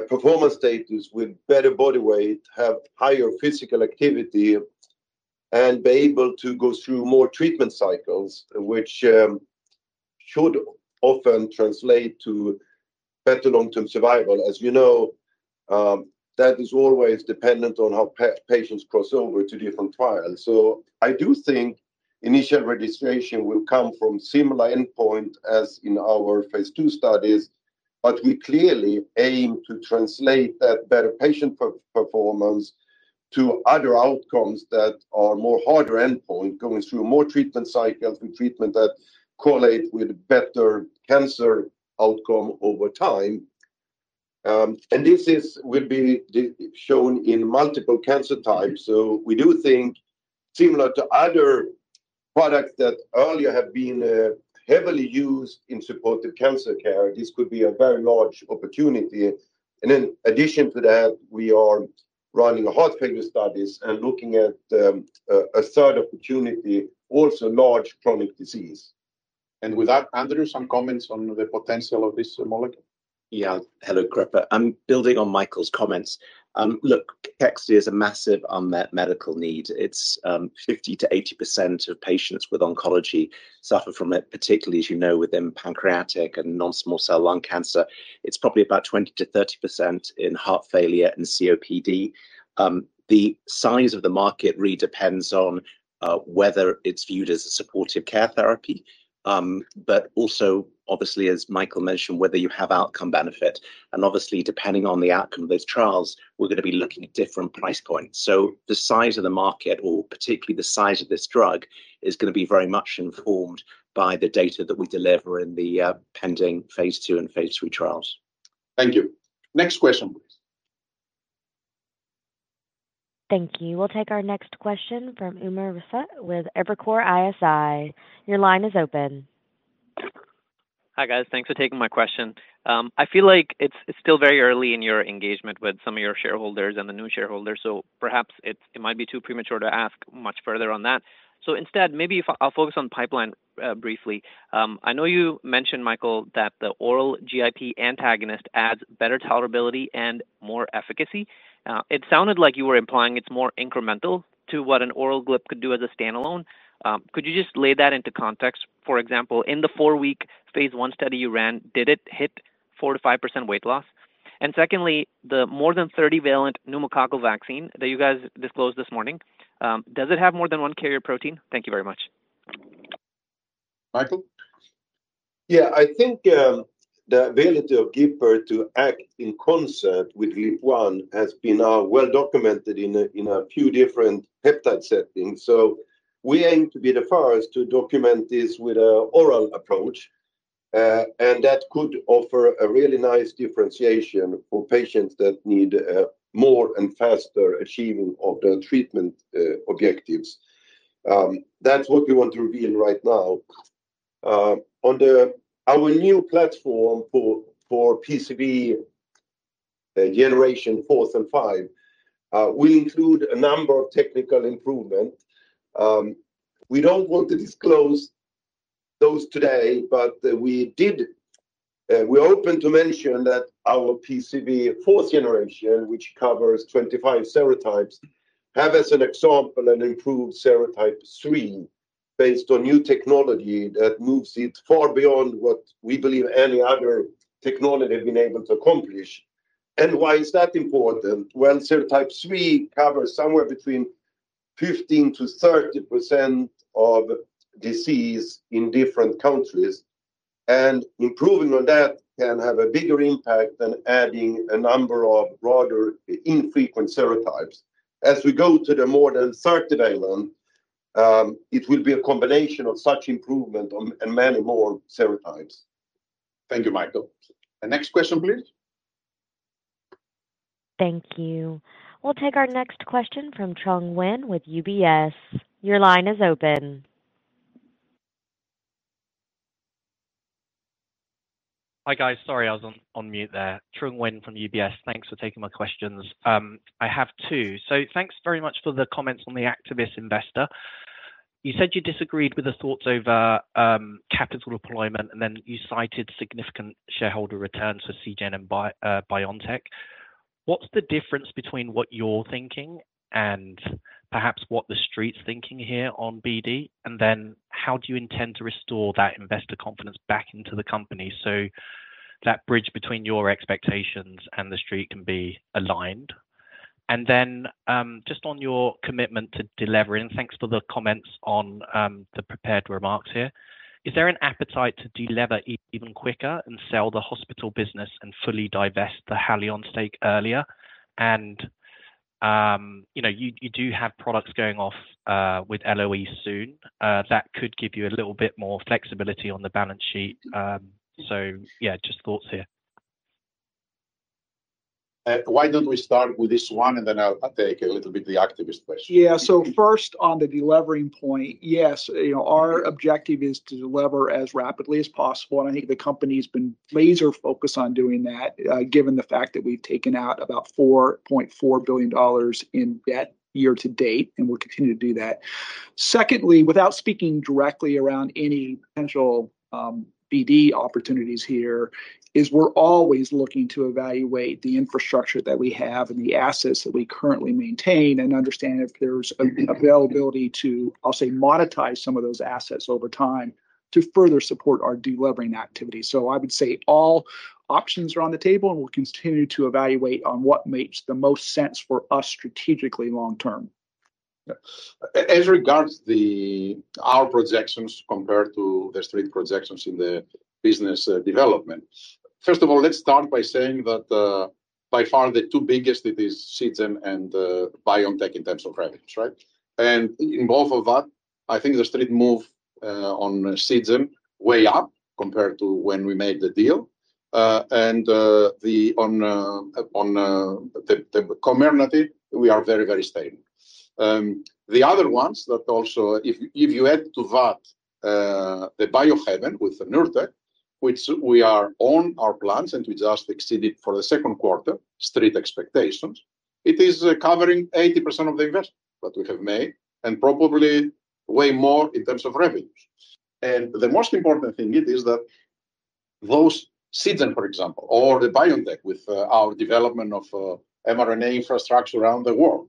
Speaker 8: performance status with better body weight, have higher physical activity, and be able to go through more treatment cycles, which should often translate to better long-term survival. As you know, that is always dependent on how patients cross over to different trials. So I do think initial registration will come from similar endpoints as in our phase ll studies, but we clearly aim to translate that better patient performance to other outcomes that are more harder endpoints, going through more treatment cycles and treatment that correlate with better cancer outcome over time. And this will be shown in multiple cancer types. So we do think, similar to other products that earlier have been heavily used in supportive cancer care, this could be a very large opportunity. And in addition to that, we are running heart failure studies and looking at a third opportunity, also large chronic disease. And with that, Andrew, some comments on the potential of this molecule?
Speaker 9: Yeah, hello, Kripa. I'm building on Mikael's comments. Look, cachexia is a massive unmet medical need. It's 50%-80% of patients with oncology suffer from it, particularly, as you know, within pancreatic and non-small cell lung cancer. It's probably about 20%-30% in heart failure and COPD. The size of the market really depends on whether it's viewed as a supportive care therapy, but also, obviously, as Mikael mentioned, whether you have outcome benefit. And obviously, depending on the outcome of those trials, we're going to be looking at different price points. So the size of the market, or particularly the size of this drug, is going to be very much informed by the data that we deliver in the pending phase two and phase three trials. Thank you. Next question, please.
Speaker 1: Thank you. We'll take our next question from Umer Raffat with Evercore ISI. Your line is open.
Speaker 10: Hi, guys. Thanks for taking my question. I feel like it's still very early in your engagement with some of your shareholders and the new shareholders, so perhaps it might be too premature to ask much further on that. Instead, maybe I'll focus on pipeline briefly. I know you mentioned, Mikael, that the oral GIP antagonist adds better tolerability and more efficacy. It sounded like you were implying it's more incremental to what an oral GLP could do as a standalone. Could you just lay that into context? For example, in the four-week phase one study you ran, did it hit 4%-5% weight loss? And secondly, the more than 30-valent pneumococcal vaccine that you guys disclosed this morning, does it have more than one carrier protein? Thank you very much. Mikael?
Speaker 6: Yeah, I think the ability of GIP to act in concert with GLP-1 has been well documented in a few different therapeutic settings. So we aim to be the first to document this with an oral approach, and that could offer a really nice differentiation for patients that need more and faster achieving of their treatment objectives. That's what we want to reveal right now. On our new platform for PCV generation fourth and five, we include a number of technical improvements. We don't want to disclose those today, but we are open to mention that our PCV fourth generation, which covers 25 serotypes, has as an example an improved serotype three based on new technology that moves it far beyond what we believe any other technology has been able to accomplish. And why is that important? Well, serotype three covers somewhere between 15%-30% of disease in different countries, and improving on that can have a bigger impact than adding a number of broader infrequent serotypes. As we go to the more than 30-valent, it will be a combination of such improvement and many more serotypes.
Speaker 3: Thank you, Mikael, and next question, please.
Speaker 1: Thank you. We'll take our next question from Trung Huynh with UBS. Your line is open.
Speaker 11: Hi, guys. Sorry, I was on mute there. Trung Huynh from UBS. Thanks for taking my questions. I have two, so thanks very much for the comments on the activist investor. You said you disagreed with the thoughts over capital deployment, and then you cited significant shareholder returns for CGEN and BioNTech. What's the difference between what you're thinking and perhaps what the street's thinking here on BD, and then how do you intend to restore that investor confidence back into the company so that bridge between your expectations and the street can be aligned? And then just on your commitment to delivery, and thanks for the comments on the prepared remarks here, is there an appetite to deliver even quicker and sell the hospital business and fully divest the Haleon stake earlier? And you do have products going off with LOE soon. That could give you a little bit more flexibility on the balance sheet. So yeah, just thoughts here. Why don't we start with this one, and then I'll take a little bit the activist question?
Speaker 3: Yeah, so first on the delivery point, yes, our objective is to deliver as rapidly as possible, and I think the company's been laser-focused on doing that, given the fact that we've taken out about $4.4 billion in debt year to date, and we'll continue to do that. Secondly, without speaking directly around any potential BD opportunities here, we're always looking to evaluate the infrastructure that we have and the assets that we currently maintain and understand if there's availability to, I'll say, monetize some of those assets over time to further support our delivering activity. So I would say all options are on the table, and we'll continue to evaluate on what makes the most sense for us strategically long-term. As regards to our projections compared to the street projections in the business development, first of all, let's start by saying that by far the two biggest it is Seagen and BioNTech in terms of revenues, right? And in both of that, I think the street move on Seagen way up compared to when we made the deal. And on the Comirnaty, we are very, very stable. The other ones that also, if you add to that the Biohaven with Nurtec, which we are on our plans and we just exceeded for the second quarter street expectations, it is covering 80% of the investment that we have made and probably way more in terms of revenues. And the most important thing is that those Seagen, for example, or the BioNTech with our development of mRNA infrastructure around the world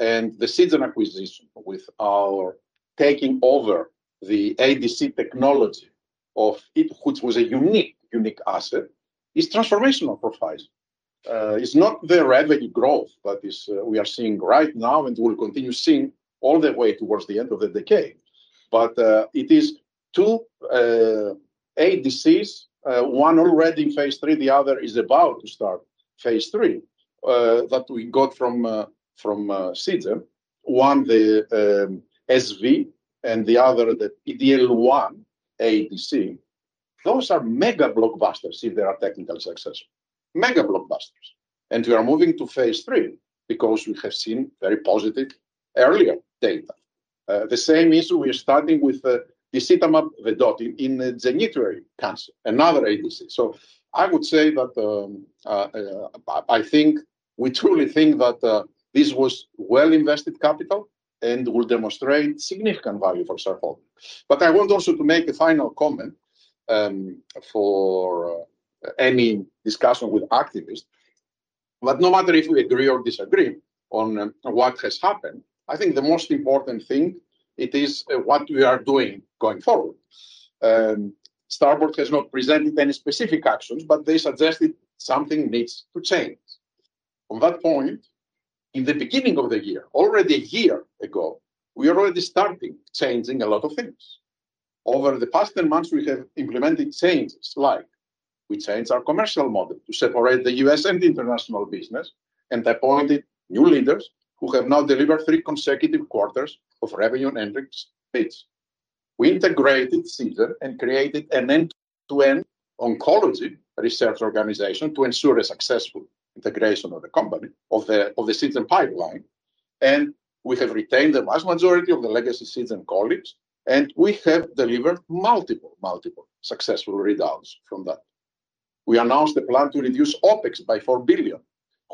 Speaker 3: and the Seagen acquisition with our taking over the ADC technology of it, which was a unique asset, is transformational for Pfizer. It's not the revenue growth that we are seeing right now and will continue seeing all the way towards the end of the decade. But it is two ADCs, one already in phase three, the other is about to start phase three that we got from Seagen, one the SV and the other the DL1 ADC. Those are mega blockbusters if they are technically successful, mega blockbusters. And we are moving to phase three because we have seen very positive earlier data. The same is we are starting with the disitamab vedotin in genitourinary cancer, another ADC. So I would say that I think we truly think that this was well-invested capital and will demonstrate significant value for survival. But I want also to make a final comment for any discussion with activists. But no matter if we agree or disagree on what has happened, I think the most important thing is what we are doing going forward. Starboard has not presented any specific actions, but they suggested something needs to change. On that point, in the beginning of the year, already a year ago, we are already starting changing a lot of things. Over the past 10 months, we have implemented changes like we changed our commercial model to separate the U.S. and international business and appointed new leaders who have now delivered three consecutive quarters of revenue and entry speeds. We integrated Seagen and created an end-to-end oncology research organization to ensure a successful integration of the company, of the Seagen pipeline. And we have retained the vast majority of the legacy Seagen colleagues, and we have delivered multiple, multiple successful results from that. We announced a plan to reduce OpEx by $4 billion,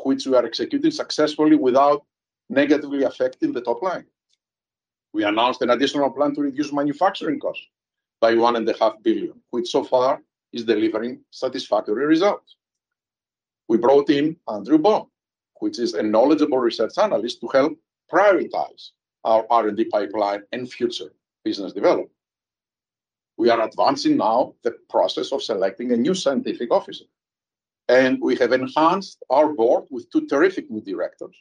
Speaker 3: which we are executing successfully without negatively affecting the top line. We announced an additional plan to reduce manufacturing costs by $1.5 billion, which so far is delivering satisfactory results. We brought in Andrew Baum, which is a knowledgeable research analyst, to help prioritize our R&D pipeline and future business development. We are advancing now the process of selecting a new scientific officer, and we have enhanced our board with two terrific new directors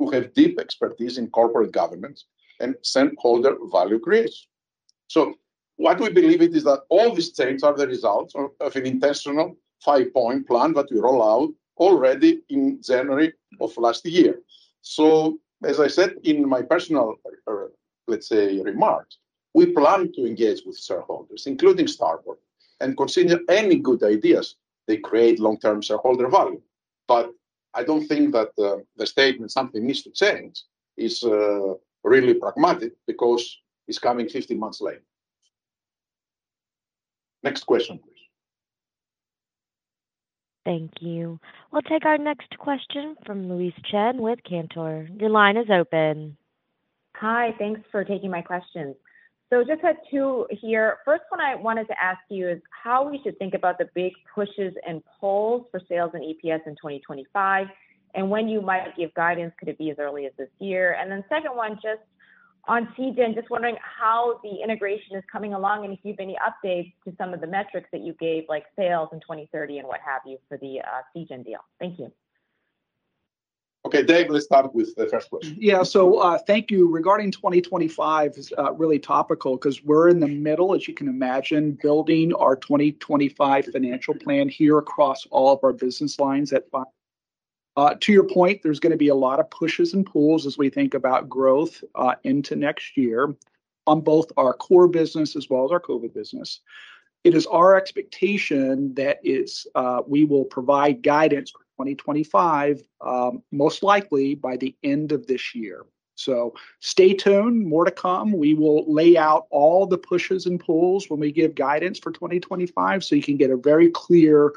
Speaker 3: who have deep expertise in corporate governance and stakeholder value creation. So what we believe is that all these changes are the results of an intentional five-point plan that we rolled out already in January of last year. So as I said in my personal, let's say, remarks, we plan to engage with shareholders, including Starboard, and consider any good ideas they create long-term shareholder value. But I don't think that the statement, "Something needs to change," is really pragmatic because it's coming 15 months later. Next question, please.
Speaker 1: Thank you. We'll take our next question from Louise Chen with Cantor. Your line is open.
Speaker 12: Hi, thanks for taking my questions. So just had two here. First one I wanted to ask you is how we should think about the big pushes and pulls for sales and EPS in 2025, and when you might give guidance, could it be as early as this year? And then second one, just on Seagen, just wondering how the integration is coming along and if you have any updates to some of the metrics that you gave, like sales in 2030 and what have you, for the Seagen deal. Thank you.
Speaker 3: Okay, David, let's start with the first question.
Speaker 4: Yeah, so thank you. Regarding 2025 is really topical because we're in the middle, as you can imagine, building our 2025 financial plan here across all of our business lines at BioNTech.
Speaker 3: To your point, there's going to be a lot of pushes and pulls as we think about growth into next year on both our core business as well as our COVID business. It is our expectation that we will provide guidance for 2025, most likely by the end of this year. So stay tuned, more to come. We will lay out all the pushes and pulls when we give guidance for 2025 so you can get a very clear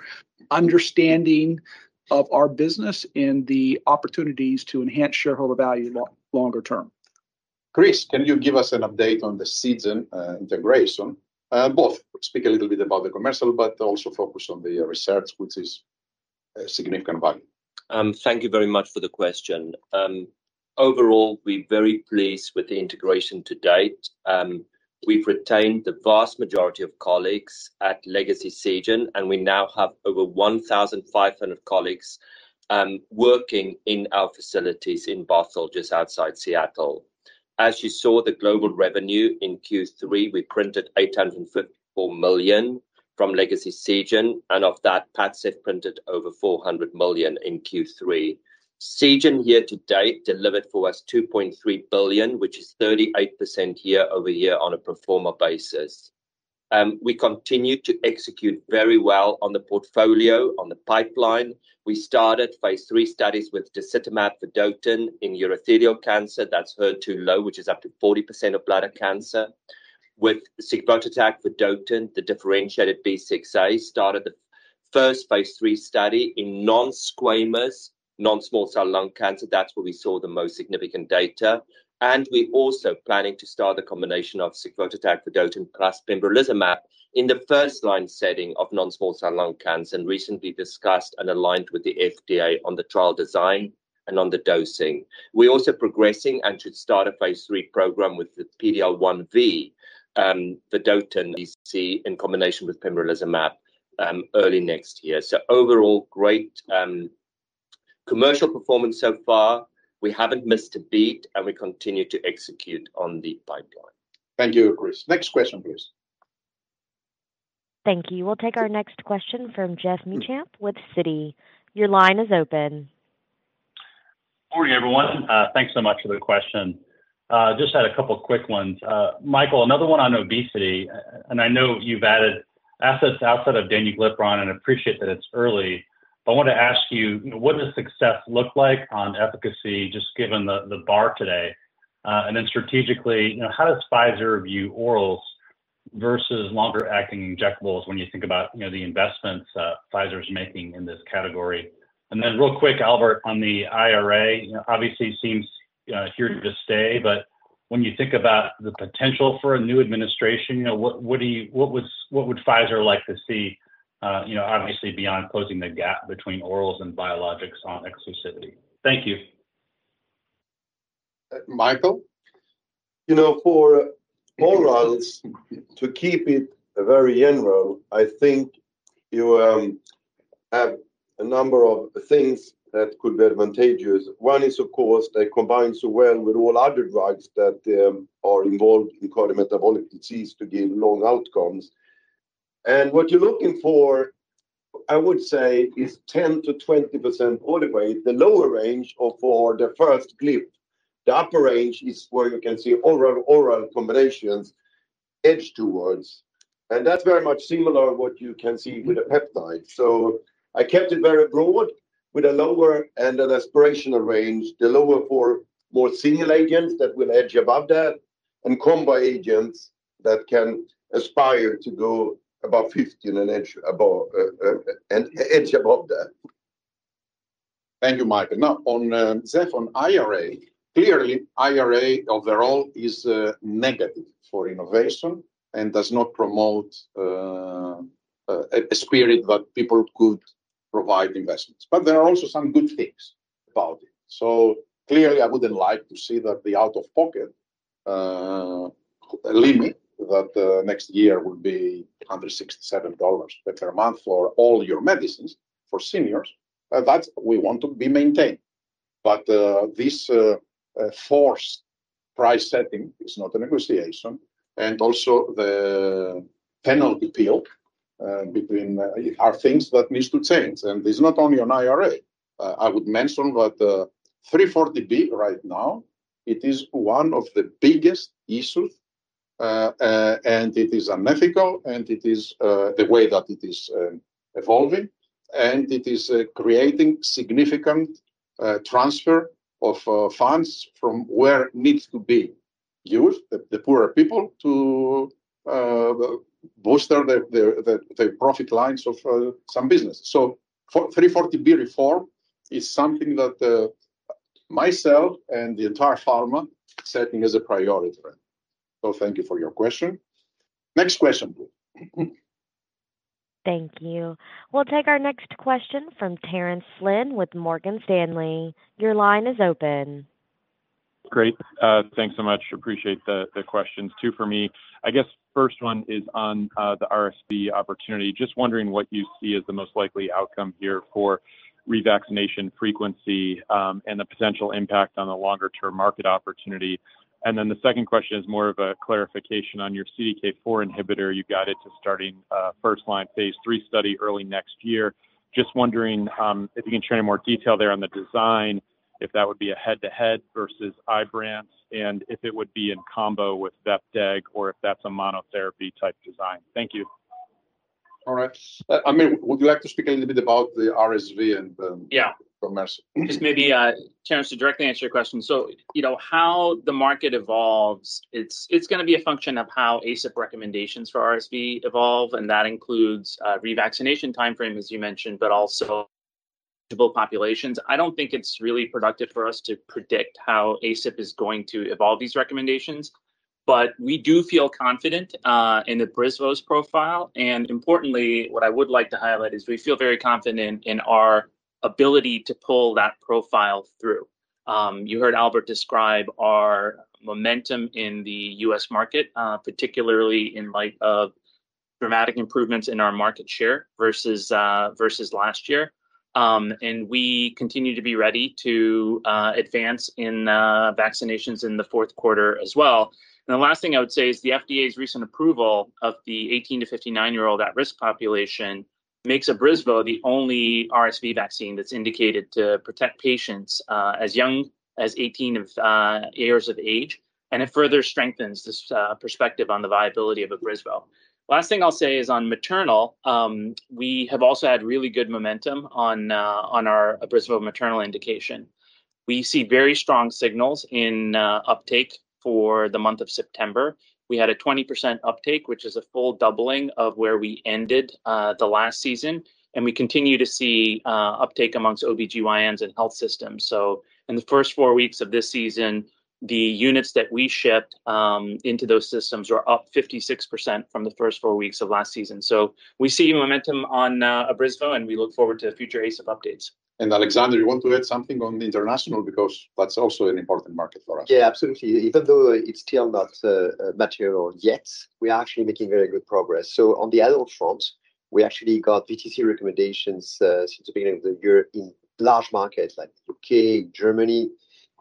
Speaker 3: understanding of our business and the opportunities to enhance shareholder value longer term. Chris, can you give us an update on the Seagen integration? Though, speak a little bit about the commercial, but also focus on the research, which is significant value.
Speaker 13: Thank you very much for the question. Overall, we're very pleased with the integration to date. We've retained the vast majority of colleagues at legacy Seagen, and we now have over 1,500 colleagues working in our facilities in Bothell, just outside Seattle. As you saw, the global revenue in Q3, we printed $854 million from legacy Seagen, and of that, PADCEV printed over $400 million in Q3. Seagen year to date delivered for us $2.3 billion, which is 38% year over year on a pro forma basis. We continue to execute very well on the portfolio, on the pipeline. We started phase three studies with the disitamab vedotin in urothelial cancer. That's HER2 low, which is up to 40% of bladder cancer. With sigvotatug vedotin, the differentiated B6A, started the first phase three study in non-squamous, non-small cell lung cancer. That's where we saw the most significant data. And we're also planning to start the combination of sigvotatug vedotin plus pembrolizumab in the first-line setting of non-small cell lung cancer, and recently discussed and aligned with the FDA on the trial design and on the dosing. We're also progressing and should start a phase three program with the PD-L1 V vedotin ADC in combination with pembrolizumab early next year. So overall, great commercial performance so far. We haven't missed a beat, and we continue to execute on the pipeline.
Speaker 3: Thank you, Chris. Next question, please.
Speaker 1: Thank you. We'll take our next question from Geoff Meacham with Citi. Your line is open.
Speaker 14: Morning, everyone. Thanks so much for the question. Just had a couple of quick ones. Mikael, another one on obesity, and I know you've added assets outside of Danuglipron and appreciate that it's early, but I wanted to ask you, what does success look like on efficacy, just given the bar today? And then strategically, how does Pfizer view orals versus longer-acting injectables when you think about the investments Pfizer is making in this category? And then real quick, Albert, on the IRA, obviously seems here to stay, but when you think about the potential for a new administration, what would Pfizer like to see, obviously beyond closing the gap between orals and biologics on exclusivity? Thank you. Mikael.
Speaker 6: For orals, to keep it very general, I think you have a number of things that could be advantageous. One is, of course, they combine so well with all other drugs that are involved in cardiometabolic disease to give long outcomes. What you're looking for, I would say, is 10%-20% all the way, the lower range for the first glip. The upper range is where you can see oral combinations edge towards. And that's very much similar to what you can see with the peptides. So I kept it very broad with a lower and an aspirational range, the lower for more senior agents that will edge above that, and combo agents that can aspire to go above 50% and edge above that.
Speaker 3: Thank you, Mikael. Now, on IRA, clearly, IRA overall is negative for innovation and does not promote a spirit that people could provide investments. But there are also some good things about it. So clearly, I wouldn't like to see that the out-of-pocket limit that next year would be $167 per month for all your medicines for seniors. That's what we want to be maintained. But this forced price setting is not a negotiation. And also the penalty appeal between are things that need to change. And it's not only on IRA. I would mention that 340B right now, it is one of the biggest issues, and it is unethical, and it is the way that it is evolving, and it is creating significant transfer of funds from where needs to be used, the poorer people, to bolster the profit lines of some business. So 340B reform is something that myself and the entire pharma setting as a priority. So thank you for your question. Next question, please.
Speaker 1: Thank you. We'll take our next question from Terence Flynn with Morgan Stanley. Your line is open.
Speaker 15: Great. Thanks so much. Appreciate the questions. Two for me. I guess first one is on the RSV opportunity. Just wondering what you see as the most likely outcome here for revaccination frequency and the potential impact on the longer-term market opportunity? And then the second question is more of a clarification on your CDK4 inhibitor. You got it to starting first-line phase three study early next year. Just wondering if you can share any more detail there on the design, if that would be a head-to-head versus Ibrance, and if it would be in combo with Bepteg or if that's a monotherapy type design. Thank you.
Speaker 13: All right. I mean, would you like to speak a little bit about the RSV and the commercial? Yeah. Just maybe, Terrence, to directly answer your question. So how the market evolves, it's going to be a function of how ACIP recommendations for RSV evolve, and that includes revaccination timeframe, as you mentioned, but also multiple populations. I don't think it's really productive for us to predict how ACIP is going to evolve these recommendations, but we do feel confident in the Abrysvo's profile, and importantly, what I would like to highlight is we feel very confident in our ability to pull that profile through. You heard Albert describe our momentum in the U.S. market, particularly in light of dramatic improvements in our market share versus last year, and we continue to be ready to advance in vaccinations in the fourth quarter as well. The last thing I would say is the FDA's recent approval of the 18- to 59-year-old at-risk population makes Abrysvo the only RSV vaccine that's indicated to protect patients as young as 18 years of age, and it further strengthens this perspective on the viability of Abrysvo. Last thing I'll say is on maternal, we have also had really good momentum on our Abrysvo maternal indication. We see very strong signals in uptake for the month of September. We had a 20% uptake, which is a full doubling of where we ended the last season, and we continue to see uptake amongst OB-GYNs and health systems. So in the first four weeks of this season, the units that we shipped into those systems were up 56% from the first four weeks of last season. So we see momentum on Abrysvo, and we look forward to future ACIP updates, and Alexandre, you want to add something on the international because that's also an important market for us. Yeah, absolutely. Even though it's still not material yet, we are actually making very good progress. On the adult front, we actually got VTC recommendations since the beginning of the year in large markets like the U.K., Germany,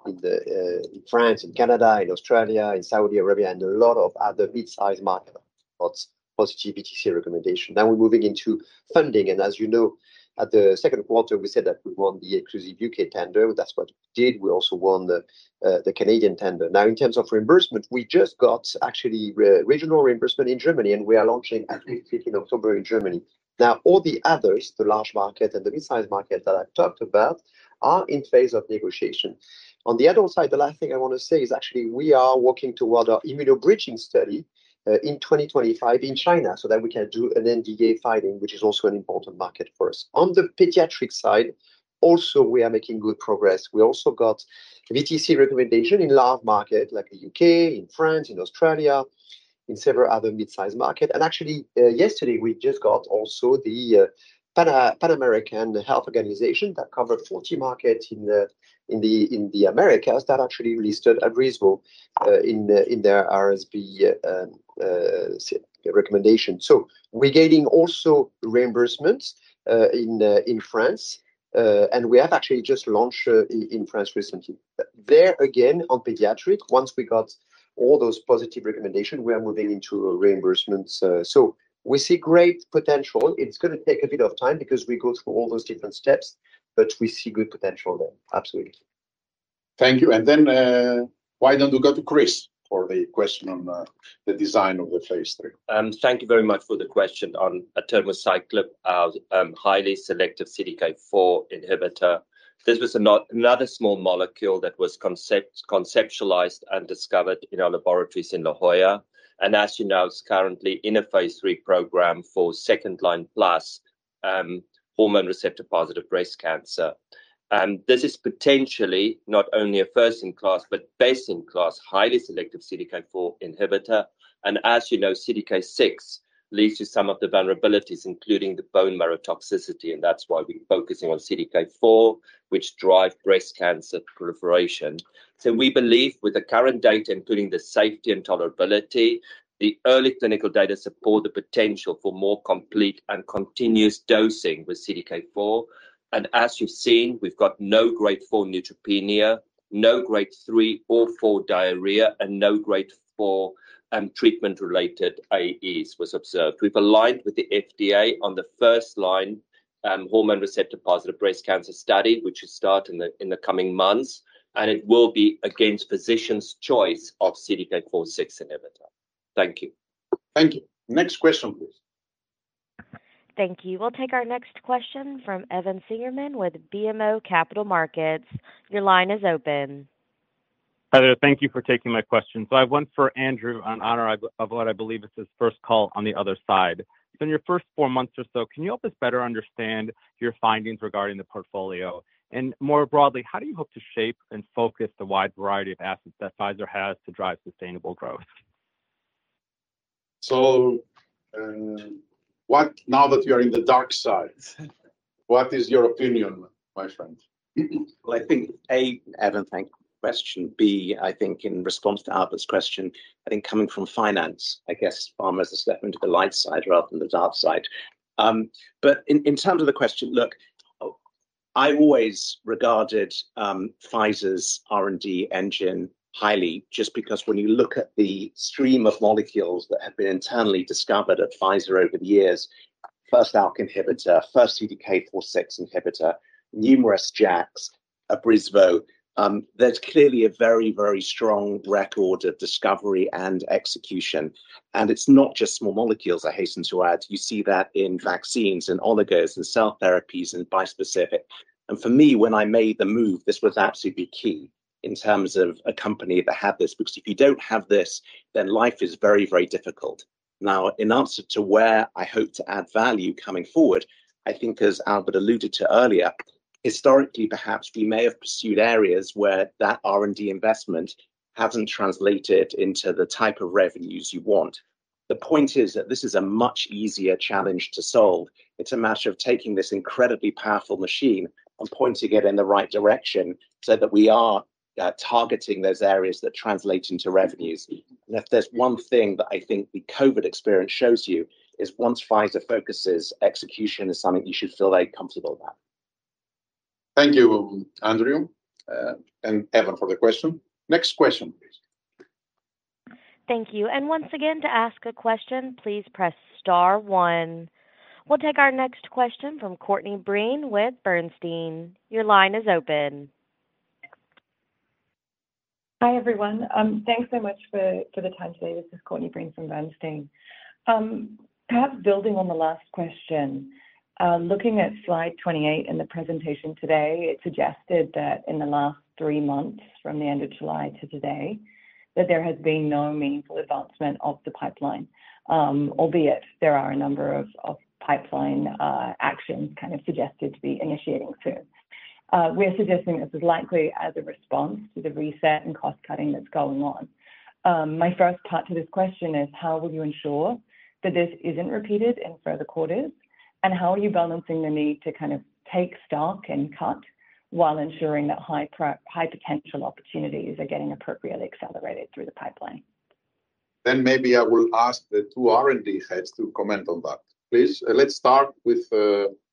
Speaker 13: in France, in Canada, in Australia, in Saudi Arabia, and a lot of other mid-size markets got positive VTC recommendations. Now we're moving into funding. As you know, at the second quarter, we said that we won the exclusive U.K. tender. That's what we did. We also won the Canadian tender. Now, in terms of reimbursement, we just got actually regional reimbursement in Germany, and we are launching at least in October in Germany. Now, all the others, the large market and the mid-size market that I've talked about, are in phase of negotiation. On the adult side, the last thing I want to say is actually we are working toward our immunobridging study in 2025 in China so that we can do an NDA filing, which is also an important market for us. On the pediatric side, also, we are making good progress. We also got VTC recommendation in large markets like the U.K., in France, in Australia, in several other mid-size markets. And actually, yesterday, we just got also the Pan-American Health Organization that covered 40 markets in the Americas that actually listed Abrysvo in their RSV recommendation. So we're getting also reimbursements in France, and we have actually just launched in France recently. There again, on pediatric, once we got all those positive recommendations, we are moving into reimbursements. So we see great potential. It's going to take a bit of time because we go through all those different steps, but we see good potential there. Absolutely.
Speaker 15: Thank you. And then why don't we go to Chris for the question on the design of the phase three?
Speaker 13: Thank you very much for the question on Atirmociclib, highly selective CDK4 inhibitor. This was another small molecule that was conceptualized and discovered in our laboratories in La Jolla. And as you know, it's currently in a phase three program for second-line plus hormone receptor-positive breast cancer. This is potentially not only a first-in-class, but best-in-class highly selective CDK4 inhibitor. And as you know, CDK6 leads to some of the vulnerabilities, including the bone marrow toxicity. And that's why we're focusing on CDK4, which drives breast cancer proliferation. So we believe with the current data, including the safety and tolerability, the early clinical data support the potential for more complete and continuous dosing with CDK4. And as you've seen, we've got no Grade 4 neutropenia, no Grade 3 or 4 diarrhea, and no Grade 4 treatment-related IEs was observed. We've aligned with the FDA on the first-line hormone receptor-positive breast cancer study, which is starting in the coming months, and it will be against physicians' choice of CDK4/6 inhibitor. Thank you.
Speaker 3: Thank you. Next question, please.
Speaker 1: Thank you. We'll take our next question from Evan Seigerman with BMO Capital Markets. Your line is open.
Speaker 16: Hi there. Thank you for taking my question. So I have one for Andrew in honor of what I believe is his first call on the other side. So in your first four months or so, can you help us better understand your findings regarding the portfolio? And more broadly, how do you hope to shape and focus the wide variety of assets that Pfizer has to drive sustainable growth? So now that you're in the dark side, what is your opinion, my friend?
Speaker 9: Well, I think A, Evan, thank you. Question. B, I think in response to Albert's question, I think coming from finance, I guess pharma is a step into the light side rather than the dark side. But in terms of the question, look, I always regarded Pfizer's R&D engine highly just because when you look at the stream of molecules that have been internally discovered at Pfizer over the years, first ALK inhibitor, first CDK4/6 inhibitor, numerous JAKs, Abrysvo, there's clearly a very, very strong record of discovery and execution. It's not just small molecules, I hasten to add. You see that in vaccines and oligos and cell therapies and bispecific. For me, when I made the move, this was absolutely key in terms of a company that had this because if you don't have this, then life is very, very difficult. Now, in answer to where I hope to add value coming forward, I think, as Albert alluded to earlier, historically, perhaps we may have pursued areas where that R&D investment hasn't translated into the type of revenues you want. The point is that this is a much easier challenge to solve. It's a matter of taking this incredibly powerful machine and pointing it in the right direction so that we are targeting those areas that translate into revenues. And if there's one thing that I think the COVID experience shows you is once Pfizer focuses, execution is something you should feel very comfortable with that.
Speaker 3: Thank you, Andrew and Evan, for the question. Next question, please.
Speaker 1: Thank you. And once again, to ask a question, please press star one. We'll take our next question from Courtney Breen with Bernstein. Your line is open.
Speaker 17: Hi, everyone. Thanks so much for the time today. This is Courtney Breen from Bernstein. Perhaps building on the last question, looking at slide 28 in the presentation today, it suggested that in the last three months from the end of July to today, that there has been no meaningful advancement of the pipeline, albeit there are a number of pipeline actions kind of suggested to be initiating soon. We're suggesting this is likely as a response to the reset and cost-cutting that's going on. My first part to this question is, how will you ensure that this isn't repeated in further quarters, and how are you balancing the need to kind of take stock and cut while ensuring that high potential opportunities are getting appropriately accelerated through the pipeline?
Speaker 3: Then maybe I will ask the two R&D heads to comment on that, please. Let's start with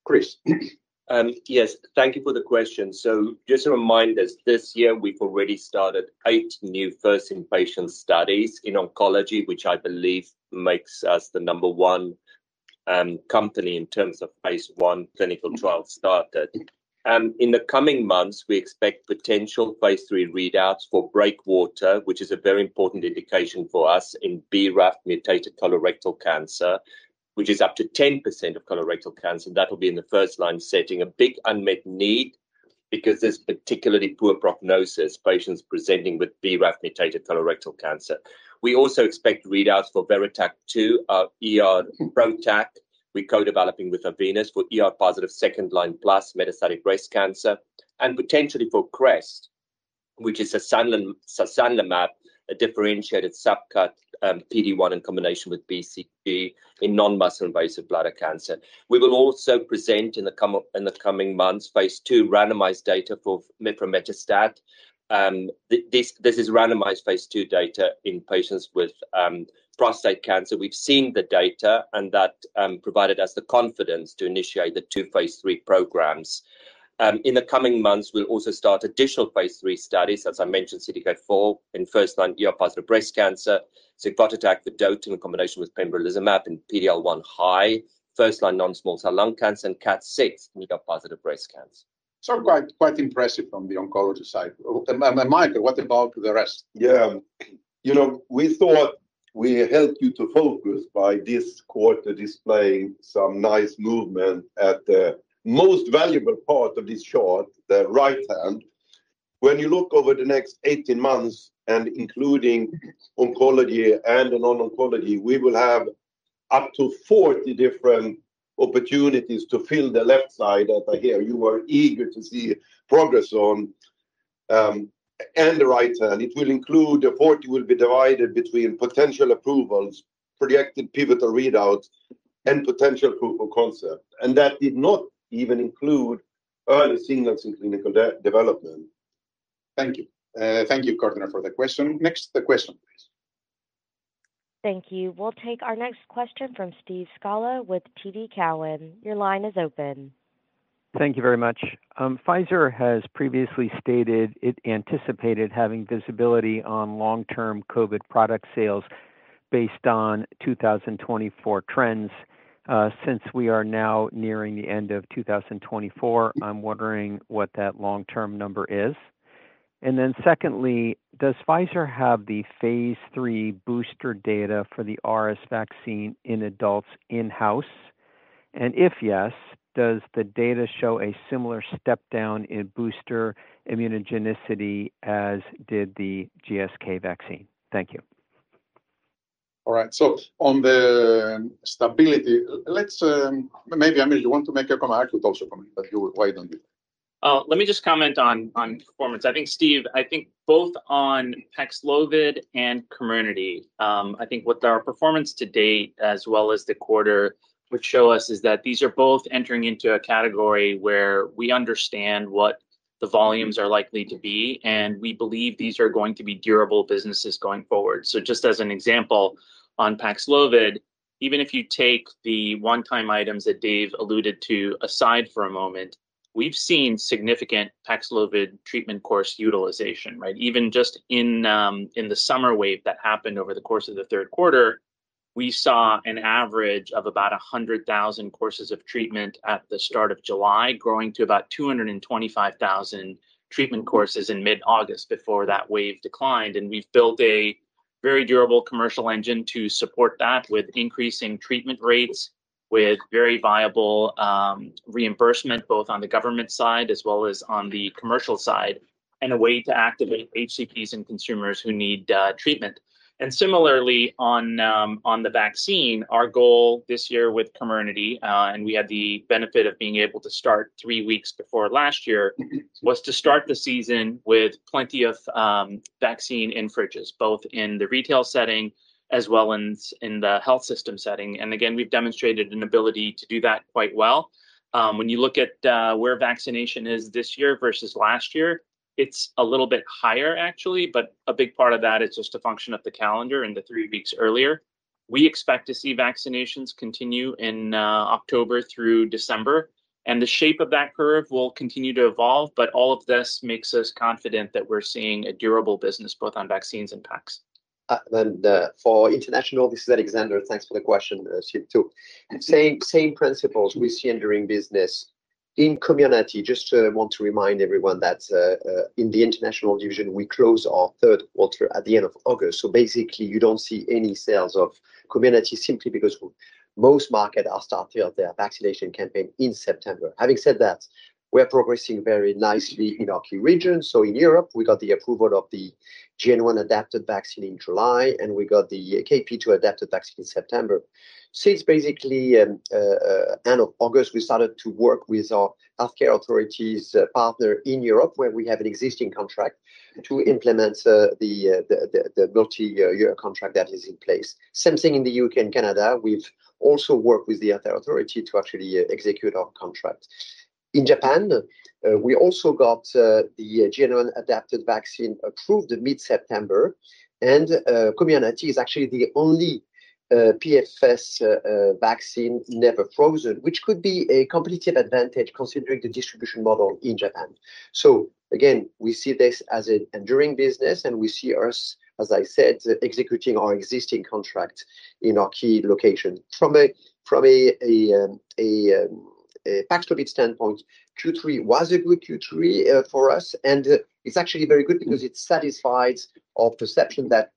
Speaker 3: Chris.
Speaker 5: Yes, thank you for the question. So just a reminder, this year, we've already started eight new first-in-patient studies in oncology, which I believe makes us the number one company in terms of phase 1 clinical trials started. In the coming months, we expect potential phase 3 readouts for Braftovi, which is a very important indication for us in BRAF mutated colorectal cancer, which is up to 10% of colorectal cancer. That'll be in the first-line setting, a big unmet need because there's particularly poor prognosis patients presenting with BRAF mutated colorectal cancer. We also expect readouts for VERITAC-2, PROTAC, we're co-developing with Arvinas for positive second-line plus metastatic breast cancer, and potentially for CREST, which is a sasanlimab, a differentiated subcut PD-1 in combination with BCG in non-muscle-invasive bladder cancer. We will also present in the coming months phase ll randomized data for mevrometostat. This is randomized phase ll data in patients with prostate cancer. We've seen the data, and that provided us the confidence to initiate the two phase lll programs. In the coming months, we'll also start additional phase lll studies, as I mentioned, CDK4 in first-line positive breast cancer, sigvotatug vedotin in combination with pembrolizumab in PD-L1 high, first-line non-small cell lung cancer, and KAT6 in positive breast cancer.
Speaker 11: So quite impressive from the oncology side. Mikael, what about the rest?
Speaker 6: Yeah. You know, we thought we helped you to focus by this quarter displaying some nice movement at the most valuable part of this chart, the right hand. When you look over the next 18 months, including oncology and non-oncology, we will have up to 40 different opportunities to fill the left side that I hear you were eager to see progress on. And the right hand, it will include the 40 will be divided between potential approvals, projected pivotal readouts, and potential proof of concept. And that did not even include early signals in clinical development. Thank you.
Speaker 3: Thank you, Courtney, for the question. Next, the question, please.
Speaker 1: Thank you. We'll take our next question from Steve Scala with TD Cowen. Your line is open.
Speaker 18: Thank you very much. Pfizer has previously stated it anticipated having visibility on long-term COVID product sales based on 2024 trends. Since we are now nearing the end of 2024, I'm wondering what that long-term number is. And then secondly, does Pfizer have the phase three booster data for the RSV vaccine in adults in-house? And if yes, does the data show a similar step down in booster immunogenicity as did the GSK vaccine? Thank you.
Speaker 14: All right. So on the stability, let's maybe, Aamir, you want to make a comment?
Speaker 10: I could also comment, but you wait on you. Let me just comment on performance. I think, Steve, I think both on Paxlovid and Comirnaty, I think what our performance to date, as well as the quarter, would show us is that these are both entering into a category where we understand what the volumes are likely to be, and we believe these are going to be durable businesses going forward. So just as an example, on Paxlovid, even if you take the one-time items that Dave alluded to aside for a moment, we've seen significant Paxlovid treatment course utilization, right? Even just in the summer wave that happened over the course of the third quarter, we saw an average of about 100,000 courses of treatment at the start of July, growing to about 225,000 treatment courses in mid-August before that wave declined. We've built a very durable commercial engine to support that with increasing treatment rates, with very viable reimbursement both on the government side as well as on the commercial side, and a way to activate HCPs and consumers who need treatment. Similarly, on the vaccine, our goal this year with Comirnaty, and we had the benefit of being able to start three weeks before last year, was to start the season with plenty of vaccine in fridges, both in the retail setting as well as in the health system setting. Again, we've demonstrated an ability to do that quite well. When you look at where vaccination is this year versus last year, it's a little bit higher, actually, but a big part of that is just a function of the calendar and the three weeks earlier. We expect to see vaccinations continue in October through December, and the shape of that curve will continue to evolve, but all of this makes us confident that we're seeing a durable business both on vaccines and Paxlovid.
Speaker 19: For international, this is Alexandre. Thanks for the question, Steve, too. Same principles we see in the U.S. business. In Comirnaty, just want to remind everyone that in the international division, we close our third quarter at the end of August. So basically, you don't see any sales of Comirnaty simply because most markets are starting their vaccination campaign in September. Having said that, we're progressing very nicely in our key regions. So in Europe, we got the approval of the JN.1 adapted vaccine in July, and we got the KP.2 adapted vaccine in September. Since basically end of August, we started to work with our healthcare authorities partner in Europe, where we have an existing contract to implement the multi-year contract that is in place. Same thing in the U.K. and Canada. We've also worked with the health authority to actually execute our contract. In Japan, we also got the JN.1 adapted vaccine approved mid-September, and Comirnaty is actually the only PFS vaccine never frozen, which could be a competitive advantage considering the distribution model in Japan. So again, we see this as an enduring business, and we see us, as I said, executing our existing contract in our key location. From a Paxlovid standpoint, Q3 was a good Q3 for us, and it's actually very good because it satisfies our perception that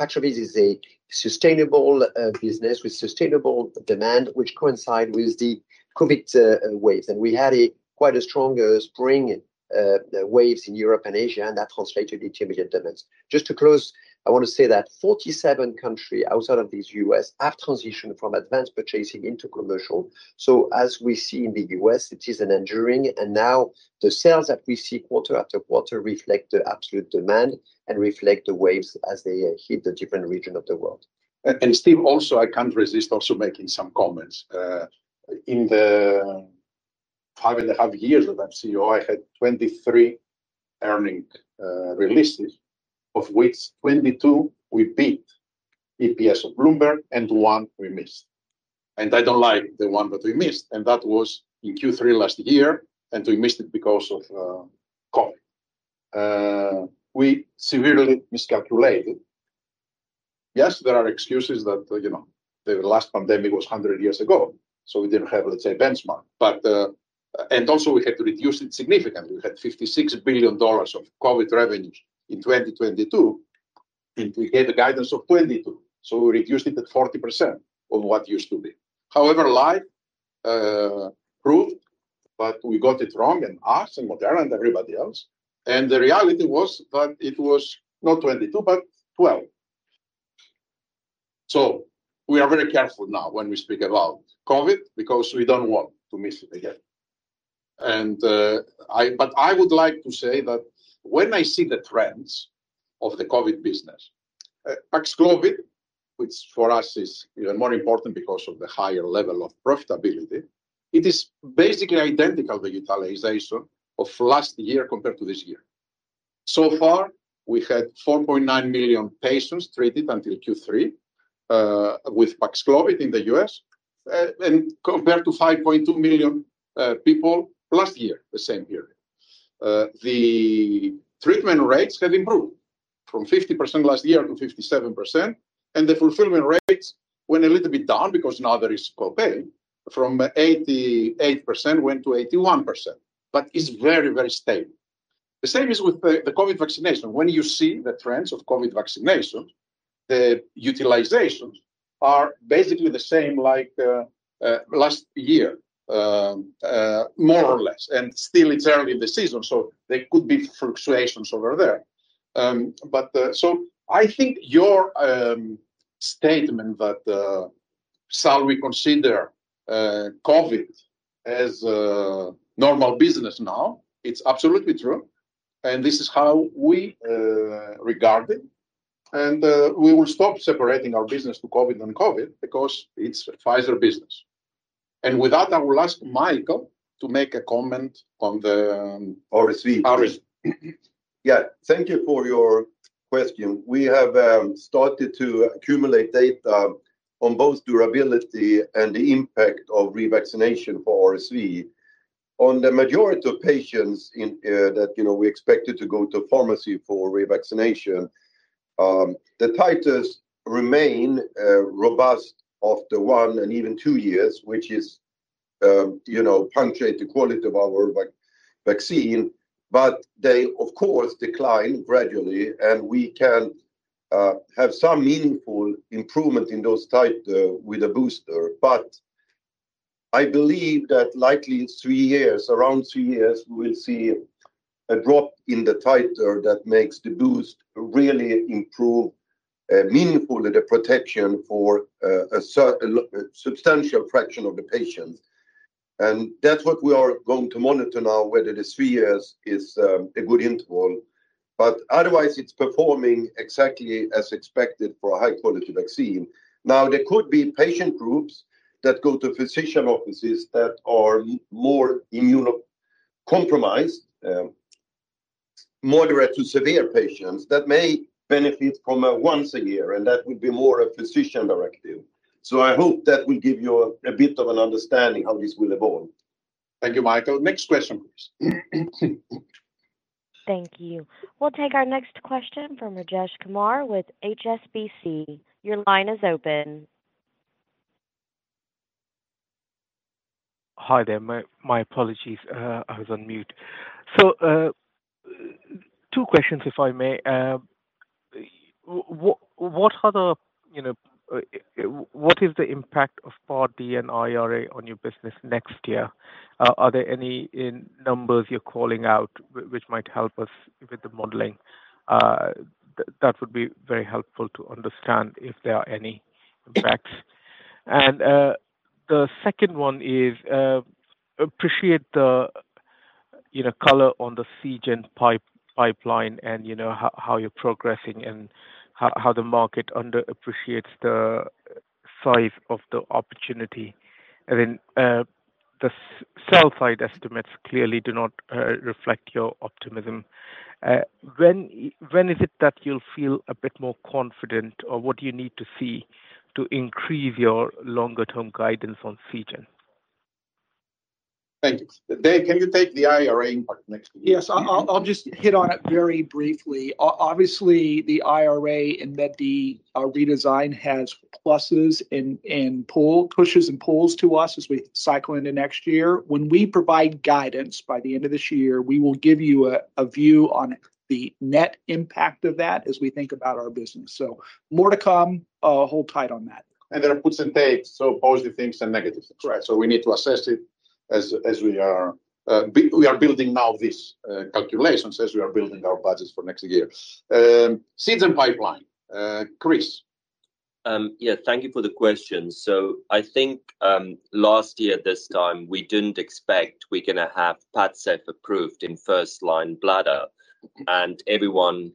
Speaker 19: Paxlovid is a sustainable business with sustainable demand, which coincides with the COVID wave. We had quite a strong spring wave in Europe and Asia, and that translated into immediate demands. Just to close, I want to say that 47 countries outside of the U.S. have transitioned from advanced purchasing into commercial. So, as we see in the U.S., it is an enduring, and now the sales that we see quarter after quarter reflect the absolute demand and reflect the waves as they hit the different regions of the world. Steve, also, I can't resist also making some comments. In the five and a half years that I'm CEO, I had 23 earnings releases, of which 22 we beat EPS of Bloomberg and one we missed. I don't like the one that we missed, and that was in Q3 last year, and we missed it because of COVID. We severely miscalculated. Yes, there are excuses that the last pandemic was 100 years ago, so we didn't have, let's say, a benchmark, and also, we had to reduce it significantly. We had $56 billion of COVID revenues in 2022, and we gave a guidance of 22, so we reduced it at 40% on what used to be. However, life proved that we got it wrong and us and Moderna and everybody else, and the reality was that it was not 22, but 12, so we are very careful now when we speak about COVID because we don't want to miss it again, but I would like to say that when I see the trends of the COVID business, Paxlovid, which for us is even more important because of the higher level of profitability, it is basically identical to the utilization of last year compared to this year. So far, we had 4.9 million patients treated until Q3 with PAXLOVID in the U.S. and compared to 5.2 million people last year, the same period. The treatment rates have improved from 50% last year to 57%, and the fulfillment rates went a little bit down because now there is copay from 88% went to 81%, but it's very, very stable. The same is with the COVID vaccination. When you see the trends of COVID vaccination, the utilizations are basically the same like last year, more or less, and still it's early in the season, so there could be fluctuations over there. But so I think your statement that shall we consider COVID as normal business now, it's absolutely true, and this is how we regard it, and we will stop separating our business to COVID and COVID because it's Pfizer business. With that, I will ask Mikael to make a comment on the RSV.
Speaker 6: Yeah. Thank you for your question. We have started to accumulate data on both durability and the impact of revaccination for RSV. On the majority of patients that we expected to go to pharmacy for revaccination, the titers remain robust after one and even two years, which punctuates the quality of our vaccine, but they, of course, decline gradually, and we can have some meaningful improvement in those titers with a booster. But I believe that likely in three years, around three years, we will see a drop in the titer that makes the boost really improve meaningfully the protection for a substantial fraction of the patients. And that's what we are going to monitor now, whether the three years is a good interval. But otherwise, it's performing exactly as expected for a high-quality vaccine. Now, there could be patient groups that go to physician offices that are more immunocompromised, moderate to severe patients that may benefit from a once-a-year, and that would be more a physician directive. So I hope that will give you a bit of an understanding how this will evolve.
Speaker 3: Thank you, Mikael. Next question, please.
Speaker 1: Thank you. We'll take our next question from Rajesh Kumar with HSBC. Your line is open.
Speaker 20: Hi there. My apologies. I was on mute. So two questions, if I may. What is the impact of Part D and IRA on your business next year? Are there any numbers you're calling out which might help us with the modeling? That would be very helpful to understand if there are any impacts. The second one is I appreciate the color on the CGEN pipeline and how you're progressing and how the market underappreciates the size of the opportunity. Then the sell-side estimates clearly do not reflect your optimism. When is it that you'll feel a bit more confident, or what do you need to see to increase your longer-term guidance on CGEN?
Speaker 3: Thank you. Dave, can you take the IRA part next?
Speaker 4: Yes. I'll just hit on it very briefly. Obviously, the IRA and that the redesign has pluses and pushes and pulls to us as we cycle into next year. When we provide guidance by the end of this year, we will give you a view on the net impact of that as we think about our business. So more to come. Hold tight on that. There are puts and takes, so positive things and negative things, right?
Speaker 3: So we need to assess it as we are building now these calculations as we are building our budgets for next year. Seagen pipeline, Chris.
Speaker 5: Yeah. Thank you for the question. So I think last year at this time, we didn't expect we're going to have Padcev approved in first-line bladder, and everyone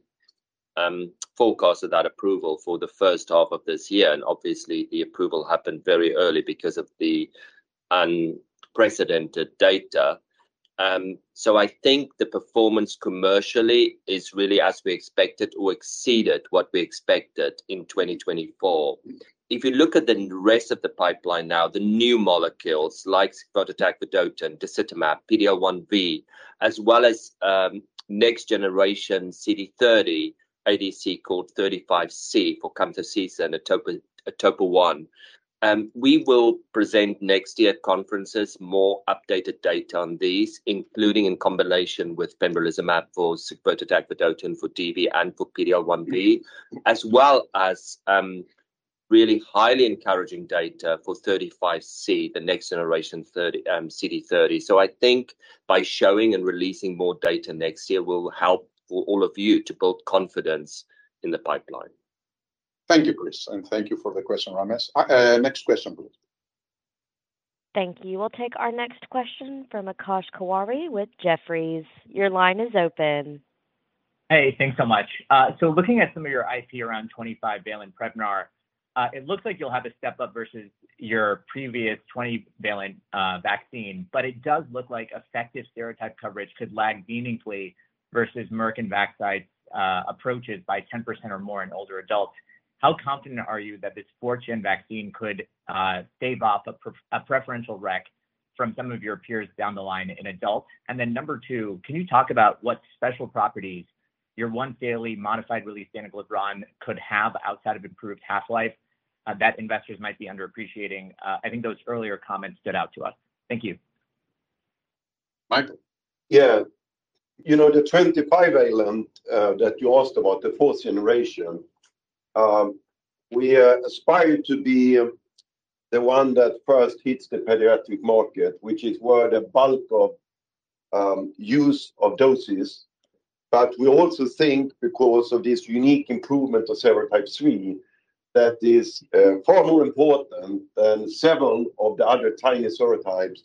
Speaker 5: forecasted that approval for the first half of this year. And obviously, the approval happened very early because of the unprecedented data. So I think the performance commercially is really as we expected or exceeded what we expected in 2024. If you look at the rest of the pipeline now, the new molecules like sigvotatug vedotin, disitamab, PD-L1 V, as well as next-generation CD30 ADC called 35C for CD30s and etoposide. We will present next year at conferences more updated data on these, including in combination with pembrolizumab for sigvotatug vedotin, for DV, and for PD-L1V, as well as really highly encouraging data for 35C, the next-generation CD30. So I think by showing and releasing more data next year will help all of you to build confidence in the pipeline.
Speaker 3: Thank you, Chris, and thank you for the question, Rames. Next question, please.
Speaker 1: Thank you. We'll take our next question from Akash Tewari with Jefferies. Your line is open.
Speaker 21: Hey, thanks so much. So looking at some of your IP around 25-valent Prevnar, it looks like you'll have a step up versus your previous 20-valent vaccine, but it does look like effective serotype coverage could lag meaningfully versus Merck and Vaxcyte's approaches by 10% or more in older adults. How confident are you that this 4th-gen vaccine could stave off a preference for Merck from some of your peers down the line in adults? And then number two, can you talk about what special properties your once-daily modified-release danuglipron could have outside of improved half-life that investors might be underappreciating? I think those earlier comments stood out to us. Thank you. Mikael.
Speaker 6: Yeah. The 25-valent that you asked about, the fourth generation, we aspire to be the one that first hits the pediatric market, which is where the bulk of use of doses. But we also think because of this unique improvement of serotype 3 that is far more important than several of the other tiny serotypes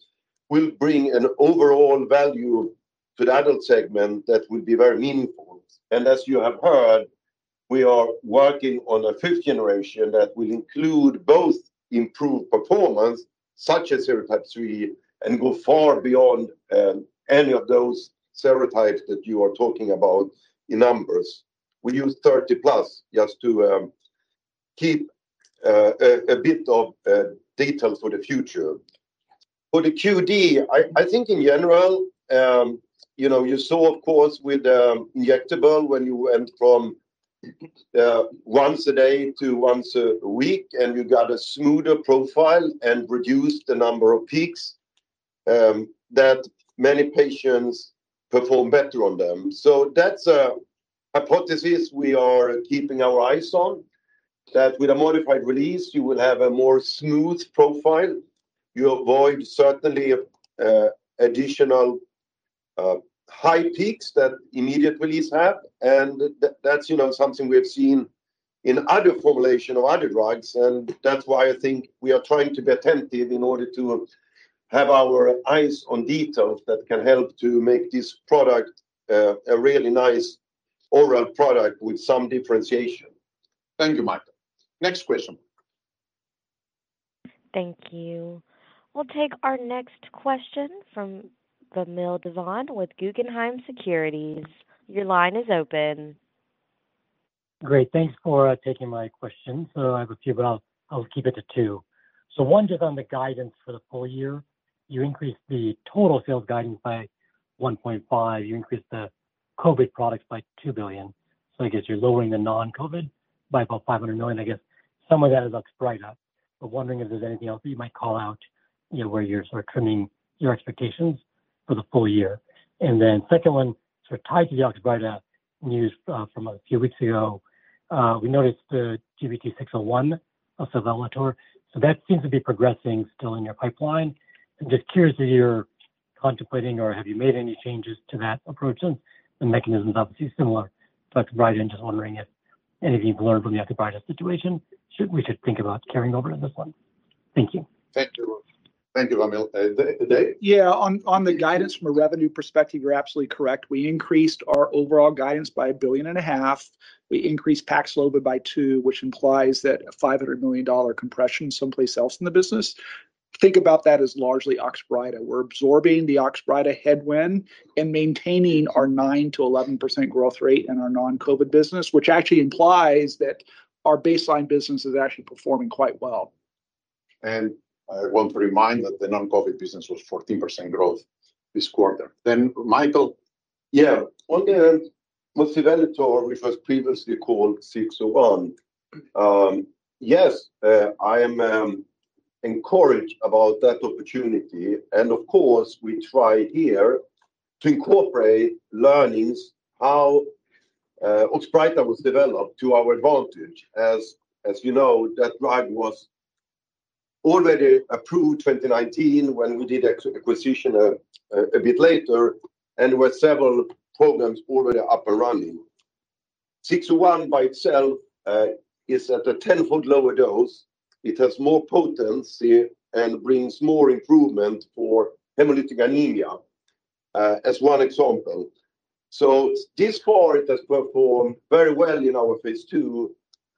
Speaker 6: will bring an overall value to the adult segment that will be very meaningful. As you have heard, we are working on a fifth generation that will include both improved performance, such as serotype 3, and go far beyond any of those serotypes that you are talking about in numbers. We use 30 plus just to keep a bit of data for the future. For the QD, I think in general, you saw, of course, with injectable when you went from once a day to once a week, and you got a smoother profile and reduced the number of peaks that many patients perform better on them. So that's a hypothesis we are keeping our eyes on that with a modified release, you will have a more smooth profile. You avoid certainly additional high peaks that immediate release has, and that's something we have seen in other formulations of other drugs. And that's why I think we are trying to be attentive in order to have our eyes on details that can help to make this product a really nice oral product with some differentiation.
Speaker 3: Thank you, Mikael. Next question.
Speaker 1: Thank you. We'll take our next question from Vamil Divan with Guggenheim Securities. Your line is open.
Speaker 22: Great. Thanks for taking my question. So I have a few, but I'll keep it to two. So one just on the guidance for the full year. You increased the total sales guidance by $1.5 billion. You increased the COVID products by $2 billion. So I guess you're lowering the non-COVID by about $500 million. I guess some of that is Oxbryta. But wondering if there's anything else that you might call out where you're sort of trimming your expectations for the full year. Then second one, sort of tied to the Oxbryta news from a few weeks ago, we noticed the GBT601, the voxelotor. So that seems to be progressing still in your pipeline. I'm just curious if you're contemplating or have you made any changes to that approach since the mechanism is obviously similar. So that's right, I'm just wondering if anything you've learned from the Oxbryta situation, we should think about carrying over to this one. Thank you.
Speaker 3: Thank you, Vamil. Dave?
Speaker 4: Yeah. On the guidance from a revenue perspective, you're absolutely correct. We increased our overall guidance by $1.5 billion. We increased Paxlovid by $2 billion, which implies that a $500 million compression someplace else in the business. Think about that as largely Oxbryta. We're absorbing the Oxbryta headwind and maintaining our 9%-11% growth rate in our non-COVID business, which actually implies that our baseline business is actually performing quite well.
Speaker 3: I want to remind that the non-COVID business was 14% growth this quarter. Then, Mikael.
Speaker 6: Yeah. On the GBT601, which was previously called 601, yes, I am encouraged about that opportunity. And of course, we try here to incorporate learnings how Oxbryta was developed to our advantage. As you know, that drug was already approved 2019 when we did acquisition a bit later, and there were several programs already up and running. 601 by itself is at a 10-fold lower dose. It has more potency and brings more improvement for hemolytic anemia as one example. So this part has performed very well in our phase two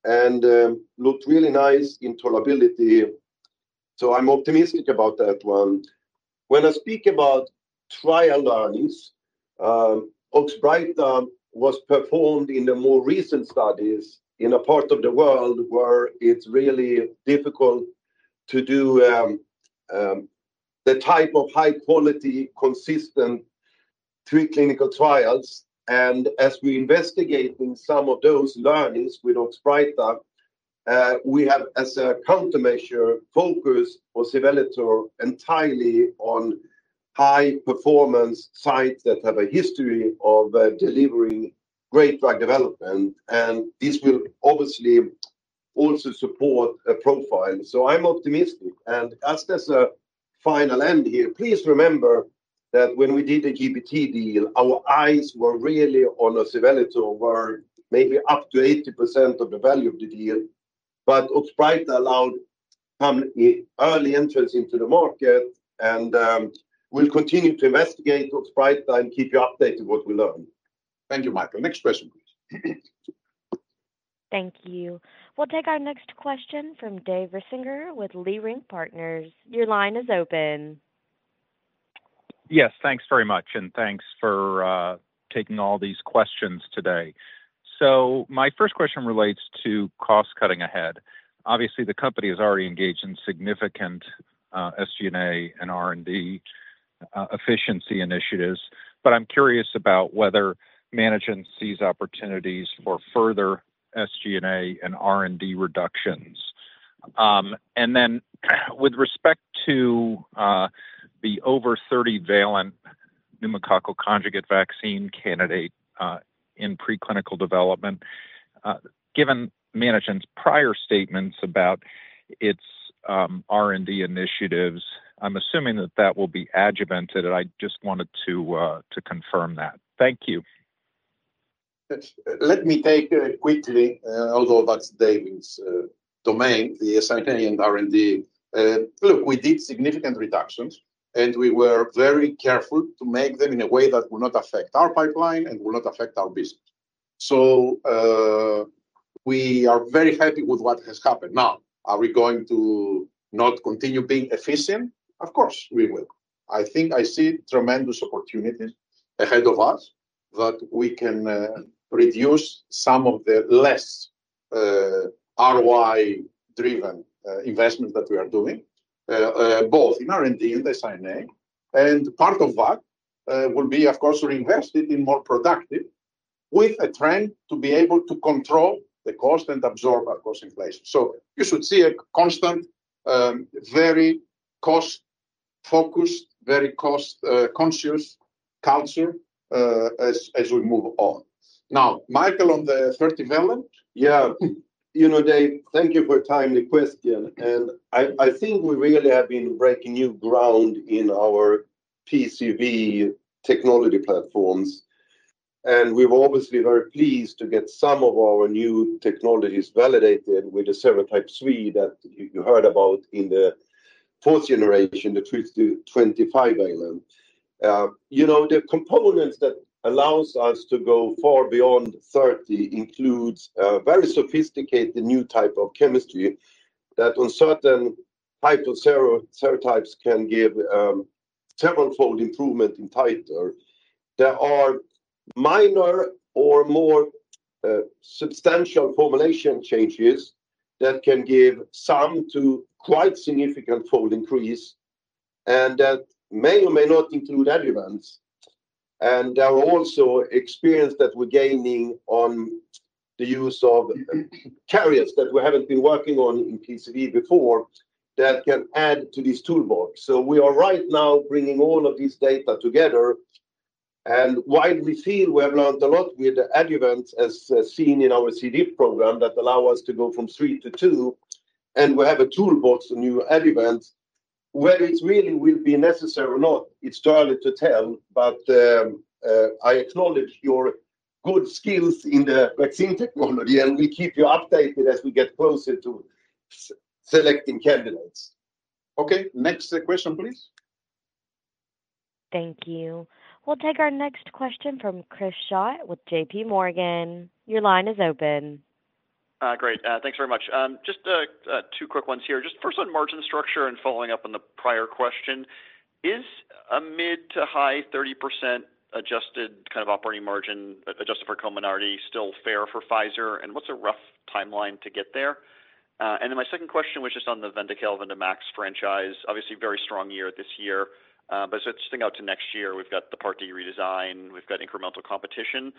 Speaker 6: and looked really nice in tolerability. So I'm optimistic about that one. When I speak about trial learnings, Oxbryta was performed in the more recent studies in a part of the world where it's really difficult to do the type of high-quality, consistent preclinical trials. And as we're investigating some of those learnings with Oxbryta, we have, as a countermeasure, focused on GBT601 entirely on high-performance sites that have a history of delivering great drug development. And this will obviously also support a profile. So I'm optimistic. And as there's a final end here, please remember that when we did the GBT deal, our eyes were really on GBT601, where maybe up to 80% of the value of the deal. But Oxbryta allowed early entrance into the market, and we'll continue to investigate Oxbryta and keep you updated with what we learn.
Speaker 3: Thank you, Mikael. Next question, please.
Speaker 1: Thank you. We'll take our next question from Dave Risinger with Leerink Partners. Your line is open.
Speaker 23: Yes. Thanks very much, and thanks for taking all these questions today. So my first question relates to cost-cutting ahead. Obviously, the company is already engaged in significant SG&A and R&D efficiency initiatives, but I'm curious about whether management sees opportunities for further SG&A and R&D reductions. And then with respect to the over-30-valent pneumococcal conjugate vaccine candidate in preclinical development, given management's prior statements about its R&D initiatives, I'm assuming that that will be adjuvanted, and I just wanted to confirm that. Thank you. Let me take quickly, although that's Dave's domain, the central R&D. Look, we did significant reductions, and we were very careful to make them in a way that will not affect our pipeline and will not affect our business. So we are very happy with what has happened. Now, are we going to not continue being efficient?
Speaker 4: Of course, we will. I think I see tremendous opportunities ahead of us that we can reduce some of the less ROI-driven investments that we are doing, both in R&D and SI&A. And part of that will be, of course, reinvested in more productive with a trend to be able to control the cost and absorb, of course, inflation. So you should see a constant, very cost-focused, very cost-conscious culture as we move on. Now, Mikael, on the 30-valent.
Speaker 6: Yeah. Dave, thank you for a timely question. And I think we really have been breaking new ground in our PCV technology platforms. And we were obviously very pleased to get some of our new technologies validated with the serotype 3 that you heard about in the fourth generation, the 25-valent. The components that allow us to go far beyond 30 include very sophisticated new types of chemistry that on certain types of serotypes can give several-fold improvement in titer. There are minor or more substantial formulation changes that can give some to quite significant fold increase and that may or may not include adjuvants. And there are also experiences that we're gaining on the use of carriers that we haven't been working on in PCV before that can add to this toolbox. So we are right now bringing all of these data together. And while we feel we have learned a lot with the adjuvants as seen in our CD program that allow us to go from three to two, and we have a toolbox of new adjuvants, whether it really will be necessary or not, it's too early to tell. But I acknowledge your good skills in the vaccine technology, and we'll keep you updated as we get closer to selecting candidates.
Speaker 3: Okay. Next question, please.
Speaker 1: Thank you. We'll take our next question from Chris Schott with JPMorgan. Your line is open.
Speaker 24: Great. Thanks very much. Just two quick ones here. Just first on margin structure and following up on the prior question. Is a mid- to high 30% adjusted kind of operating margin adjusted for commonality still fair for Pfizer? And what's a rough timeline to get there? And then my second question was just on the Vyndamax franchise. Obviously, very strong year this year. But as we're looking out to next year, we've got the payor redesign. We've got incremental competition.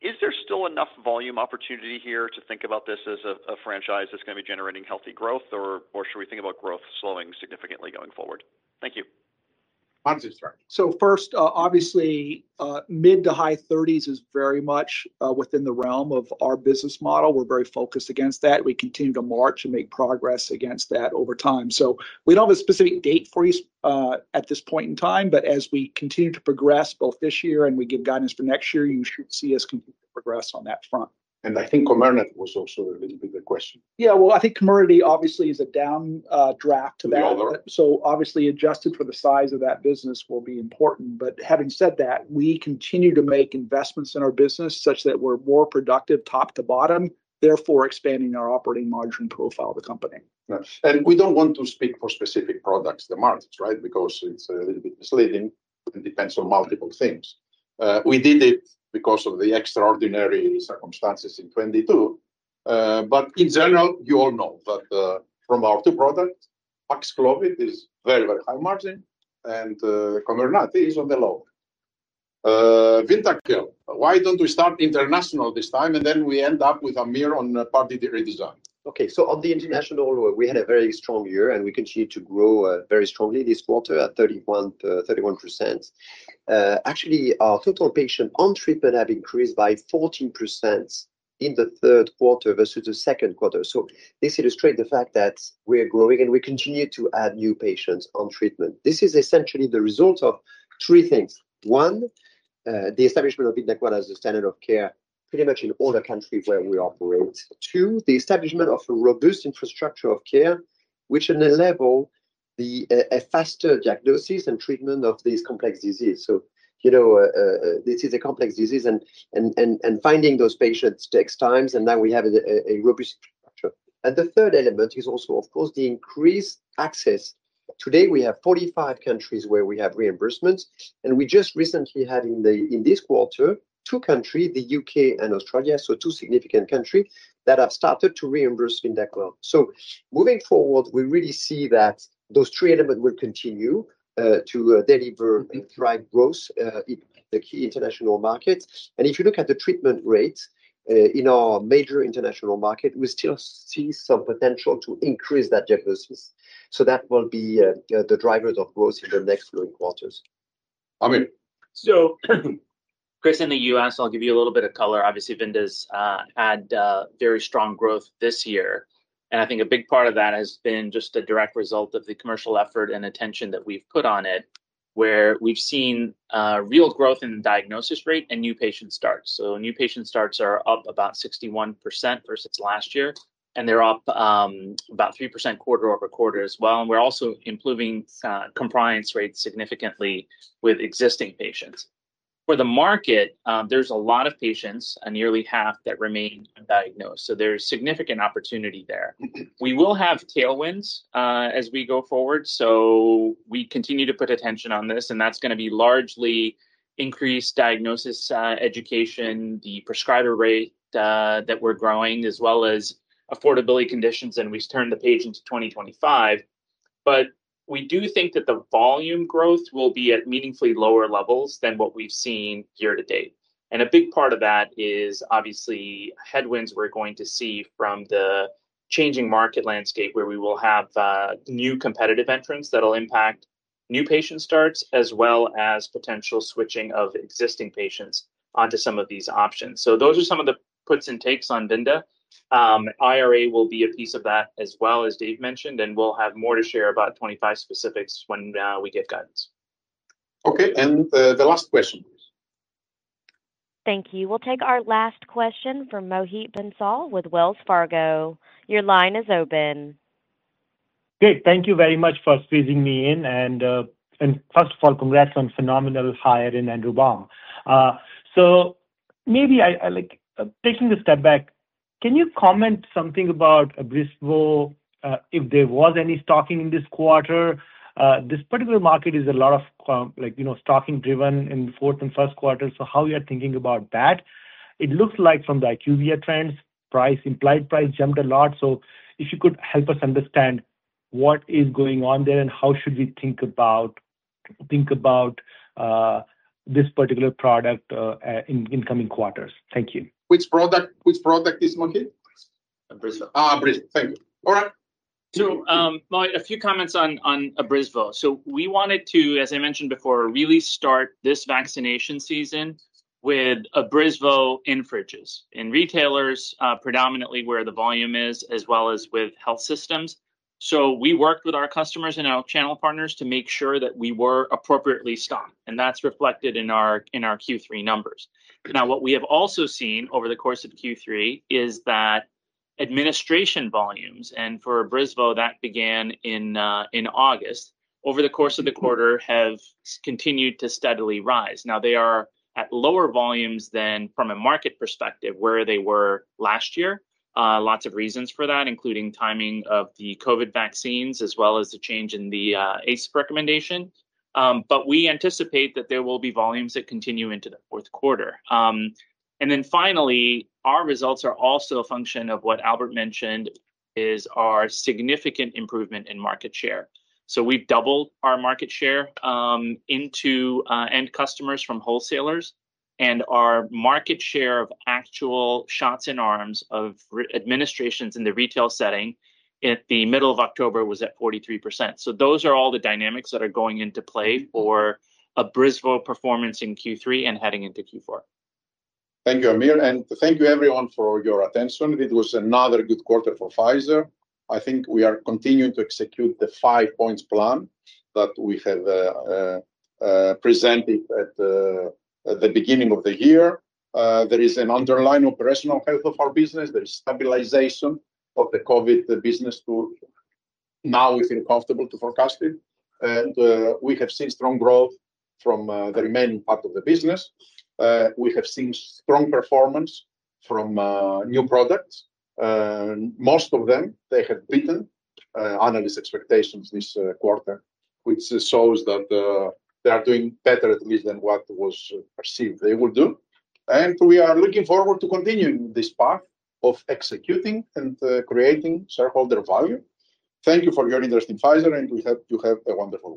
Speaker 24: Is there still enough volume opportunity here to think about this as a franchise that's going to be generating healthy growth, or should we think about growth slowing significantly going forward? Thank you.
Speaker 4: I'm just starting. So first, obviously, mid-to-high 30s is very much within the realm of our business model. We're very focused against that. We continue to march and make progress against that over time. So we don't have a specific date for you at this point in time, but as we continue to progress both this year and we give guidance for next year, you should see us continue to progress on that front. And I think Comirnaty was also a little bit of the question. Yeah. Well, I think Comirnaty obviously is a downdraft to that. So obviously, adjusted for the size of that business will be important. But having said that, we continue to make investments in our business such that we're more productive top to bottom, therefore expanding our operating margin profile of the company. And we don't want to speak for specific products, the markets, right, because it's a little bit misleading and depends on multiple things. We did it because of the extraordinary circumstances in 2022. But in general, you all know that from our two products, Paxlovid is very, very high margin, and Comirnaty is on the low end. Still. Why don't we start with international this time, and then we end with Mike on R&D?
Speaker 6: Okay. So on the international, we had a very strong year, and we continue to grow very strongly this quarter at 31%. Actually, our total patients on treatment have increased by 14% in the third quarter versus the second quarter. This illustrates the fact that we're growing, and we continue to add new patients on treatment. This is essentially the result of three things. One, the establishment of Vyndaqel as a standard of care pretty much in all the countries where we operate. Two, the establishment of a robust infrastructure of care which enables a faster diagnosis and treatment of this complex disease. This is a complex disease, and finding those patients takes time, and now we have a robust infrastructure, and the third element is also, of course, the increased access. Today, we have 45 countries where we have reimbursements, and we just recently had in this quarter two countries, the U.K. and Australia, so two significant countries that have started to reimburse Vyndaqel. Moving forward, we really see that those three elements will continue to deliver drive growth in the key international markets. If you look at the treatment rates in our major international market, we still see some potential to increase that diagnosis. That will be the drivers of growth in the next three quarters. I mean. Chris, in the U.S., I'll give you a little bit of color. Obviously, Vyndaqel had very strong growth this year. And I think a big part of that has been just a direct result of the commercial effort and attention that we've put on it, where we've seen real growth in the diagnosis rate and new patient starts. New patient starts are up about 61% versus last year, and they're up about 3% quarter over quarter as well. And we're also improving compliance rates significantly with existing patients. For the market, there's a lot of patients, nearly half, that remain undiagnosed. There's significant opportunity there. We will have tailwinds as we go forward. So we continue to put attention on this, and that's going to be largely increased diagnosis education, the prescriber rate that we're growing, as well as affordability conditions, and we turn the page into 2025. But we do think that the volume growth will be at meaningfully lower levels than what we've seen year to date. And a big part of that is obviously headwinds we're going to see from the changing market landscape where we will have new competitive entrants that will impact new patient starts as well as potential switching of existing patients onto some of these options. So those are some of the puts and takes on Vyndas. IRA will be a piece of that as well, as Dave mentioned, and we'll have more to share about 25 specifics when we get guidance.
Speaker 3: Okay. And the last question, please.
Speaker 1: Thank you. We'll take our last question from Mohit Bansal with Wells Fargo. Your line is open.
Speaker 25: Dave, thank you very much for squeezing me in. And first of all, congrats on phenomenal hiring and rebound. So maybe taking a step back, can you comment something about Abrysvo if there was any stocking in this quarter? This particular market is a lot of stocking-driven in the fourth and first quarter. So how you're thinking about that? It looks like from the IQVIA trends, price implied price jumped a lot. So if you could help us understand what is going on there and how should we think about this particular product in incoming quarters.
Speaker 10: Thank you. Which product is Mohit?
Speaker 25: Abrysvo.
Speaker 10: Abrysvo. Thank you. All right. So a few comments on Abrysvo. We wanted to, as I mentioned before, really start this vaccination season with Abrysvo in fridges, in retailers predominantly where the volume is, as well as with health systems. We worked with our customers and our channel partners to make sure that we were appropriately stocked. That's reflected in our Q3 numbers. What we have also seen over the course of Q3 is that administration volumes, and for Abrysvo, that began in August, over the course of the quarter have continued to steadily rise. They are at lower volumes than from a market perspective where they were last year. Lots of reasons for that, including timing of the COVID vaccines as well as the change in the ACIP recommendation. We anticipate that there will be volumes that continue into the fourth quarter. And then finally, our results are also a function of what Albert mentioned is our significant improvement in market share. So we've doubled our market share to end customers from wholesalers, and our market share of actual shots in arms of administrations in the retail setting at the middle of October was at 43%. So those are all the dynamics that are going into play for Abrysvo performance in Q3 and heading into Q4.
Speaker 3: Thank you, Aamir. And thank you, everyone, for your attention. It was another good quarter for Pfizer. I think we are continuing to execute the five-point plan that we have presented at the beginning of the year. There is an underlying operational health of our business. There is stabilization of the COVID business to now we feel comfortable to forecast it. And we have seen strong growth from the remaining part of the business. We have seen strong performance from new products. Most of them, they have beaten analyst expectations this quarter, which shows that they are doing better at least than what was perceived they will do. And we are looking forward to continuing this path of executing and creating shareholder value. Thank you for your interest in Pfizer, and we hope you have a wonderful.